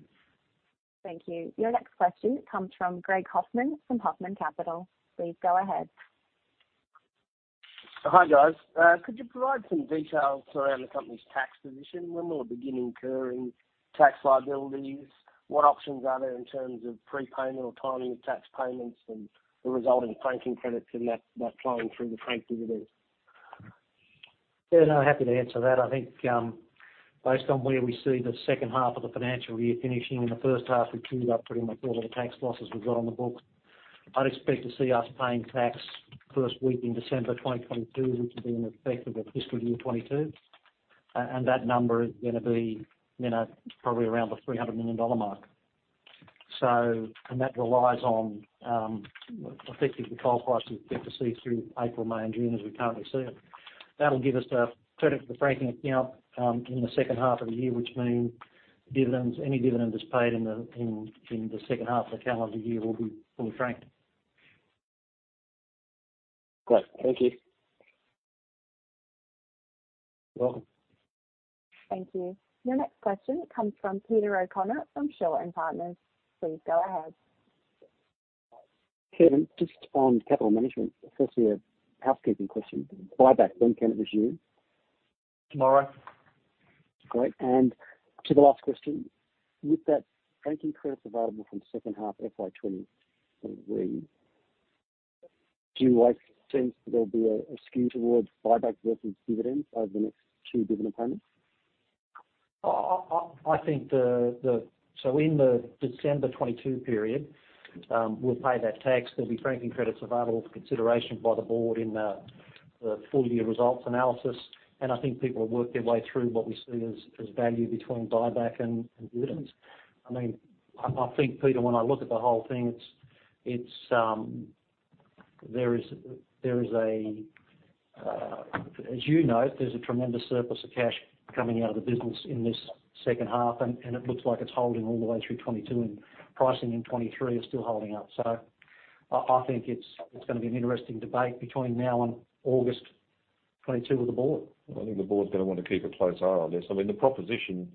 Thank you. Your next question comes from Greg Hoffman from Hoffman Capital. Please go ahead. Hi, guys. Could you provide some details around the company's tax position? When will it begin incurring tax liabilities? What options are there in terms of prepayment or timing of tax payments and the resulting franking credits and that flowing through the franked dividend? Yeah. No, happy to answer that. I think based on where we see the second half of the financial year finishing and the first half, we've cleared up pretty much all of the tax losses we've got on the books. I'd expect to see us paying tax first week in December 2022, which will be in respect of fiscal year 2022. And that number is going to be probably around the 300 million dollar mark. And that relies on effectively the coal prices we expect to see through April, May, and June as we currently see it. That'll give us the credit for the franking account in the second half of the year, which means any dividend that's paid in the second half of the calendar year will be fully franked. Great. Thank you. You're welcome. Thank you. Your next question comes from Peter O'Connor from Shaw and Partners. Please go ahead. Kevin, just on capital management, firstly, a housekeeping question. Buyback, when can it resume? Tomorrow. Great. To the last question, with that franking credit available from the second half of FY20, do I think there'll be a skew towards buyback versus dividends over the next two dividend payments? I think so in the December 2022 period, we'll pay that tax. There'll be franking credits available for consideration by the Board in the full-year results analysis. I think people have worked their way through what we see as value between buyback and dividends. I mean, I think, Peter, when I look at the whole thing, there is a, as you know, there's a tremendous surplus of cash coming out of the business in this second half. It looks like it's holding all the way through 2022, and pricing in 2023 is still holding up. So I think it's going to be an interesting debate between now and August 2022 with the Board. I think the Board's going to want to keep a close eye on this. I mean, the proposition,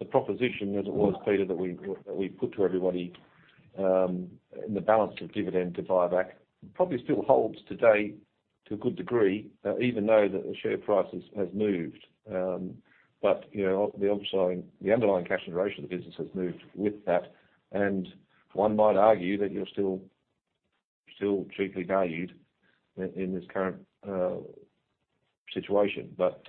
as it was, Peter, that we put to everybody in the balance of dividend to buyback probably still holds today to a good degree, even though the share price has moved. But the underlying cash generation of the business has moved with that. And one might argue that you're still cheaply valued in this current situation. But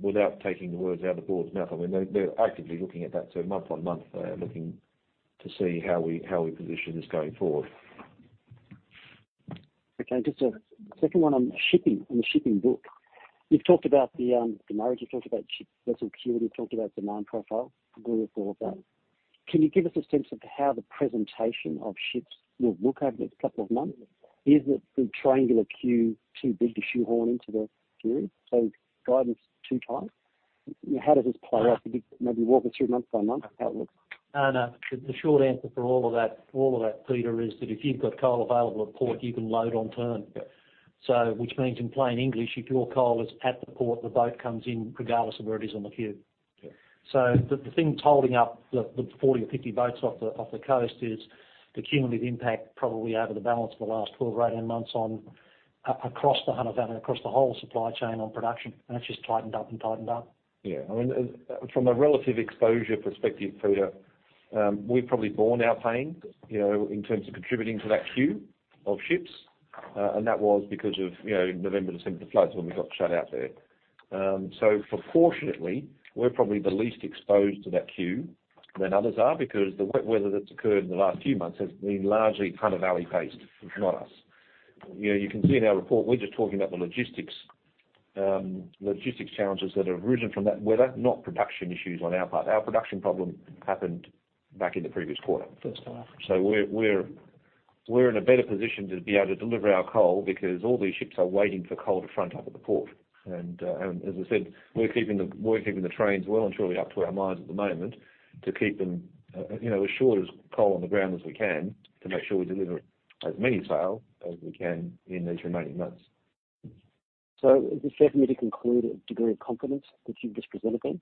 without taking the words out of the Board's mouth, I mean, they're actively looking at that month-on-month, looking to see how we position this going forward. Okay. Just a second one on the shipping book. You've talked about the demurrage. You've talked about ship vessel queue. You've talked about demand profile. Agree with all of that. Can you give us a sense of how the presentation of ships will look over the next couple of months? Is the triangular queue too big to shoehorn into the period? So guidance too tight? How does this play out? Could you maybe walk us through month-by-month how it looks? No. No. The short answer for all of that, Peter, is that if you've got coal available at port, you can load on turn. Which means in plain English, if your coal is at the port, the boat comes in regardless of where it is on the queue. So the thing holding up the 40 or 50 boats off the coast is the cumulative impact probably over the balance of the last 12, 18 months across the whole supply chain on production. And it's just tightened up and tightened up. Yeah. I mean, from a relative exposure perspective, Peter, we've probably borne our pain in terms of contributing to that queue of ships. And that was because of November, December, the floods when we got shut out there. So proportionately, we're probably the least exposed to that queue. Then others are because the wet weather that's occurred in the last few months has been largely Hunter Valley-based, not us. You can see in our report, we're just talking about the logistics challenges that have arisen from that weather, not production issues on our part. Our production problem happened back in the previous quarter. So we're in a better position to be able to deliver our coal because all these ships are waiting for coal to front up at the port. And as I said, we're keeping the trains well and truly up and running at the moment to keep as little coal on the ground as we can to make sure we deliver as many tonnes as we can in these remaining months. So does this definitely indicate a degree of confidence that you've just presented then?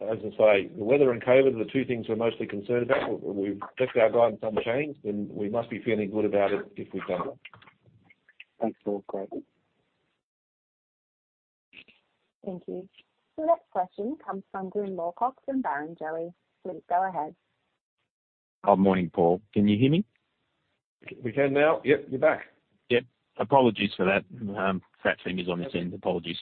As I say, the weather and COVID are the two things we're mostly concerned about. We've kept our guidance unchanged. Then we must be feeling good about it if we've done well. Thanks, Paul. Great. Thank you. Your next question comes from Glyn Lawcock from Barrenjoey. Please go ahead. Morning, Paul. Can you hear me? We can now. Yep, you're back. Yep. Apologies for that. Fat fingers on this end. Apologies.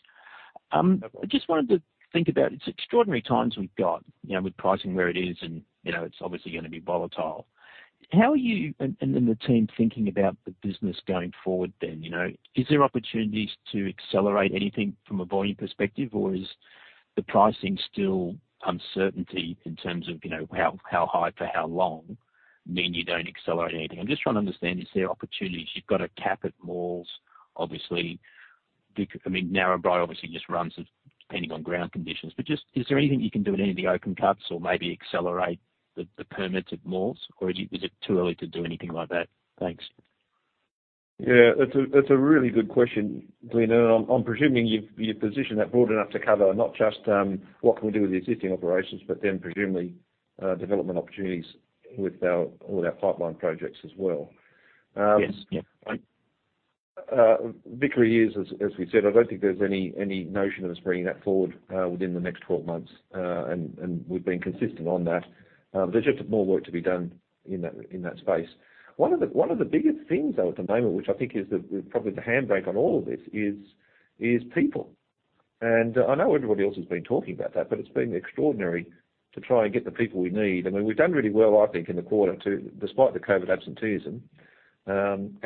I just wanted to think about it's extraordinary times we've got with pricing where it is, and it's obviously going to be volatile. How are you and the team thinking about the business going forward then? Is there opportunities to accelerate anything from a volume perspective, or is the pricing still uncertainty in terms of how high for how long mean you don't accelerate anything? I'm just trying to understand, is there opportunities? You've got a cap at Maules, obviously. I mean, Narrabri obviously just runs depending on ground conditions. But just is there anything you can do in any of the open cuts or maybe accelerate the permits at Maules, or is it too early to do anything like that? Thanks. Yeah. That's a really good question, Glyn. I'm presuming you've positioned that broad enough to cover not just what can we do with the existing operations, but then presumably development opportunities with all our pipeline projects as well. Yes. Yep. Vickery is, as we said, I don't think there's any notion of us bringing that forward within the next 12 months. We've been consistent on that. There's just more work to be done in that space. One of the bigger things though at the moment, which I think is probably the handbrake on all of this, is people. I know everybody else has been talking about that, but it's been extraordinary to try and get the people we need. I mean, we've done really well, I think, in the quarter, despite the COVID absenteeism, and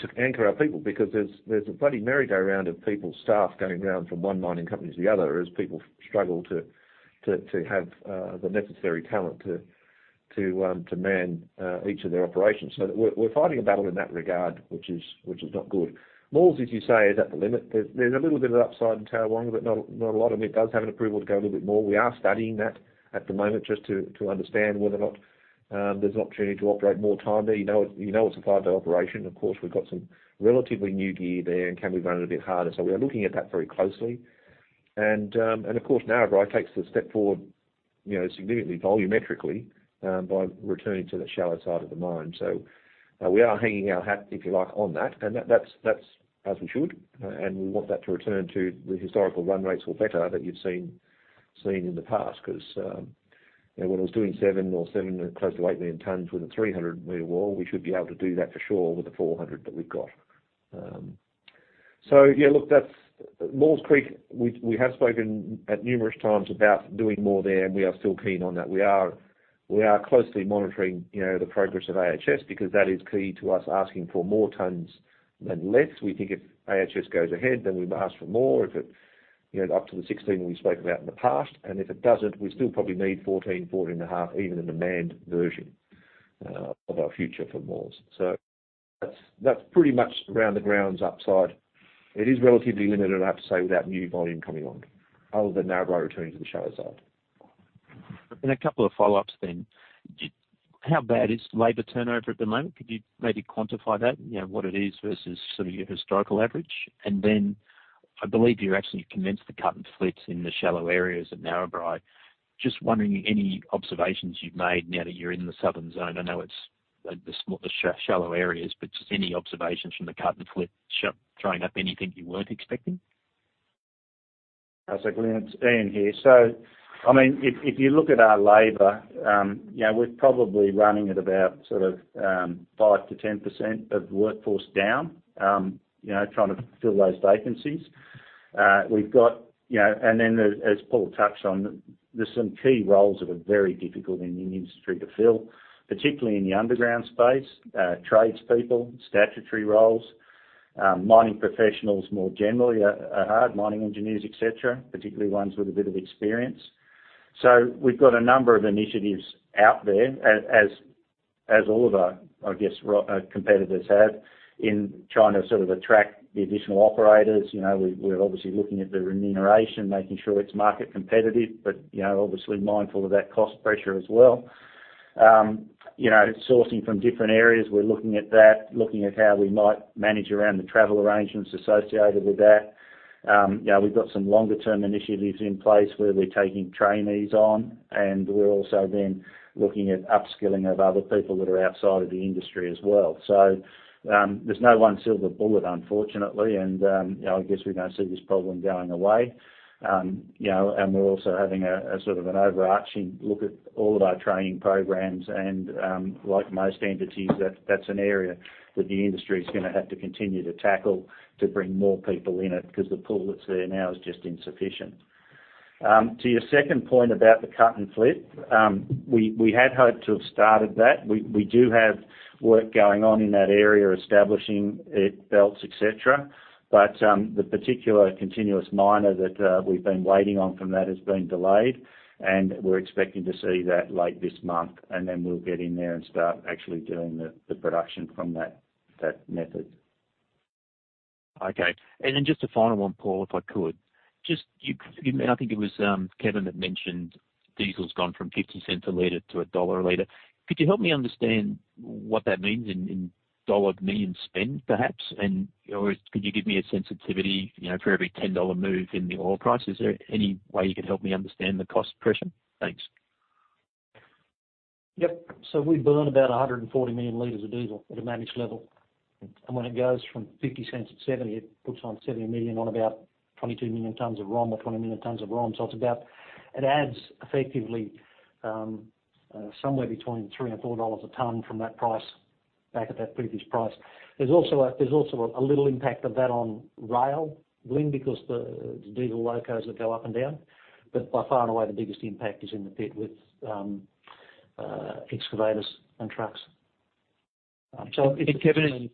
to anchor our people because there's a bloody merry-go-round of people, staff going around from one mining company to the other as people struggle to have the necessary talent to man each of their operations. So we're fighting a battle in that regard, which is not good. Maules, as you say, is at the limit. There's a little bit of upside in Tarrawonga, but not a lot. I mean, it does have an approval to go a little bit more. We are studying that at the moment just to understand whether or not there's an opportunity to operate more time there. You know it's a five-day operation. Of course, we've got some relatively new gear there, and can we run it a bit harder? So we are looking at that very closely. Of course, Narrabri takes the step forward significantly volumetrically by returning to the shallow side of the mine. So we are hanging our hat, if you like, on that. And that's as we should. And we want that to return to the historical run rates or better that you've seen in the past. Because when it was doing seven or seven close to eight million tons with a 300-meter wall, we should be able to do that for sure with the 400 that we've got. So yeah, look, Maules Creek, we have spoken at numerous times about doing more there, and we are still keen on that. We are closely monitoring the progress of AHS because that is key to us asking for more tons than less. We think if AHS goes ahead, then we must ask for more up to the 16 we spoke about in the past. And if it doesn't, we still probably need 14, 14 and a half, even in a manned version of our future for Maules. So that's pretty much around the grounds upside. It is relatively limited, I have to say, without new volume coming on, other than Narrabri returning to the shallow side. A couple of follow-ups then. How bad is labor turnover at the moment? Could you maybe quantify that, what it is versus sort of your historical average? Then I believe you're actually commenced the cut and flit in the shallow areas at Narrabri. Just wondering any observations you've made now that you're in the southern zone. I know it's the shallow areas, but just any observations from the cut and flit throwing up anything you weren't expecting? That's Glyn's end here. So I mean, if you look at our labor, we're probably running at about sort of 5%-10% of workforce down, trying to fill those vacancies. We've got, and then as Paul touched on, there's some key roles that are very difficult in the industry to fill, particularly in the underground space: tradespeople, statutory roles, mining professionals more generally, hard mining engineers, etc., particularly ones with a bit of experience. So we've got a number of initiatives out there, as all of our, I guess, competitors have in trying to sort of attract the additional operators. We're obviously looking at the remuneration, making sure it's market competitive, but obviously mindful of that cost pressure as well. Sourcing from different areas, we're looking at that, looking at how we might manage around the travel arrangements associated with that. We've got some longer-term initiatives in place where we're taking trainees on, and we're also then looking at upskilling of other people that are outside of the industry as well, so there's no one silver bullet, unfortunately, and I guess we're going to see this problem going away, and we're also having a sort of an overarching look at all of our training programs, and like most entities, that's an area that the industry is going to have to continue to tackle to bring more people in it because the pool that's there now is just insufficient. To your second point about the cut and flit, we had hoped to have started that. We do have work going on in that area, establishing it, belts, etc. But the particular continuous miner that we've been waiting on from that has been delayed, and we're expecting to see that late this month. Then we'll get in there and start actually doing the production from that method. Okay. And then just a final one, Paul, if I could. Just give me—I think it was Kevin that mentioned diesel's gone from 0.50 a liter to AUD 1.00 a liter. Could you help me understand what that means in dollar median spend, perhaps? And could you give me a sensitivity for every $10 move in the oil price? Is there any way you could help me understand the cost pressure? Thanks. Yep. So we burn about 140 million liters of diesel at a managed level. And when it goes from 0.50 to 0.70, it puts on 70 million on about 22 million tons of ROM or 20 million tons of ROM. So it adds effectively somewhere between 3 and 4 dollars a ton from that price back at that previous price. There's also a little impact of that on rail, Glyn, because the diesel locos that go up and down. But by far and away, the biggest impact is in the pit with excavators and trucks. So it's a-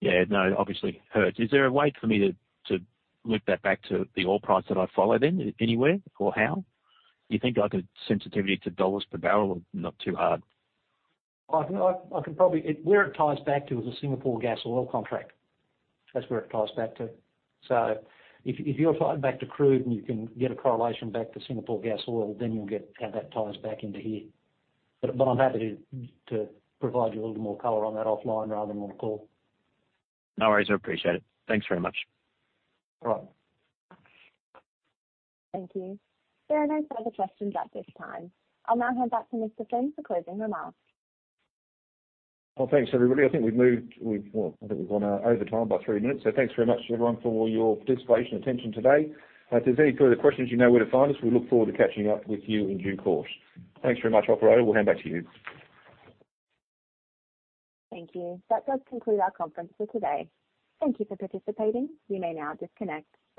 Yeah. No, obviously hurts. Is there a way for me to loop that back to the oil price that I follow then anywhere or how? You think I could sensitivity to $ per barrel or not too hard? I can probably-where it ties back to is a Singapore Gasoil contract. That's where it ties back to. So if you're tied back to crude and you can get a correlation back to Singapore Gasoil, then you'll get how that ties back into here. But I'm happy to provide you a little more color on that offline rather than on call. No worries. I appreciate it. Thanks very much. All right. Thank you. There are no further questions at this time. I'll now hand back to Mr. Flynn for closing remarks. Well, thanks, everybody. I think we've moved. Well, I think we've gone over time by three minutes. So thanks very much, everyone, for your participation and attention today. If there's any further questions, you know where to find us. We look forward to catching up with you in due course. Thanks very much, operator. We'll hand back to you. Thank you. That does conclude our conference for today. Thank you for participating. You may now disconnect.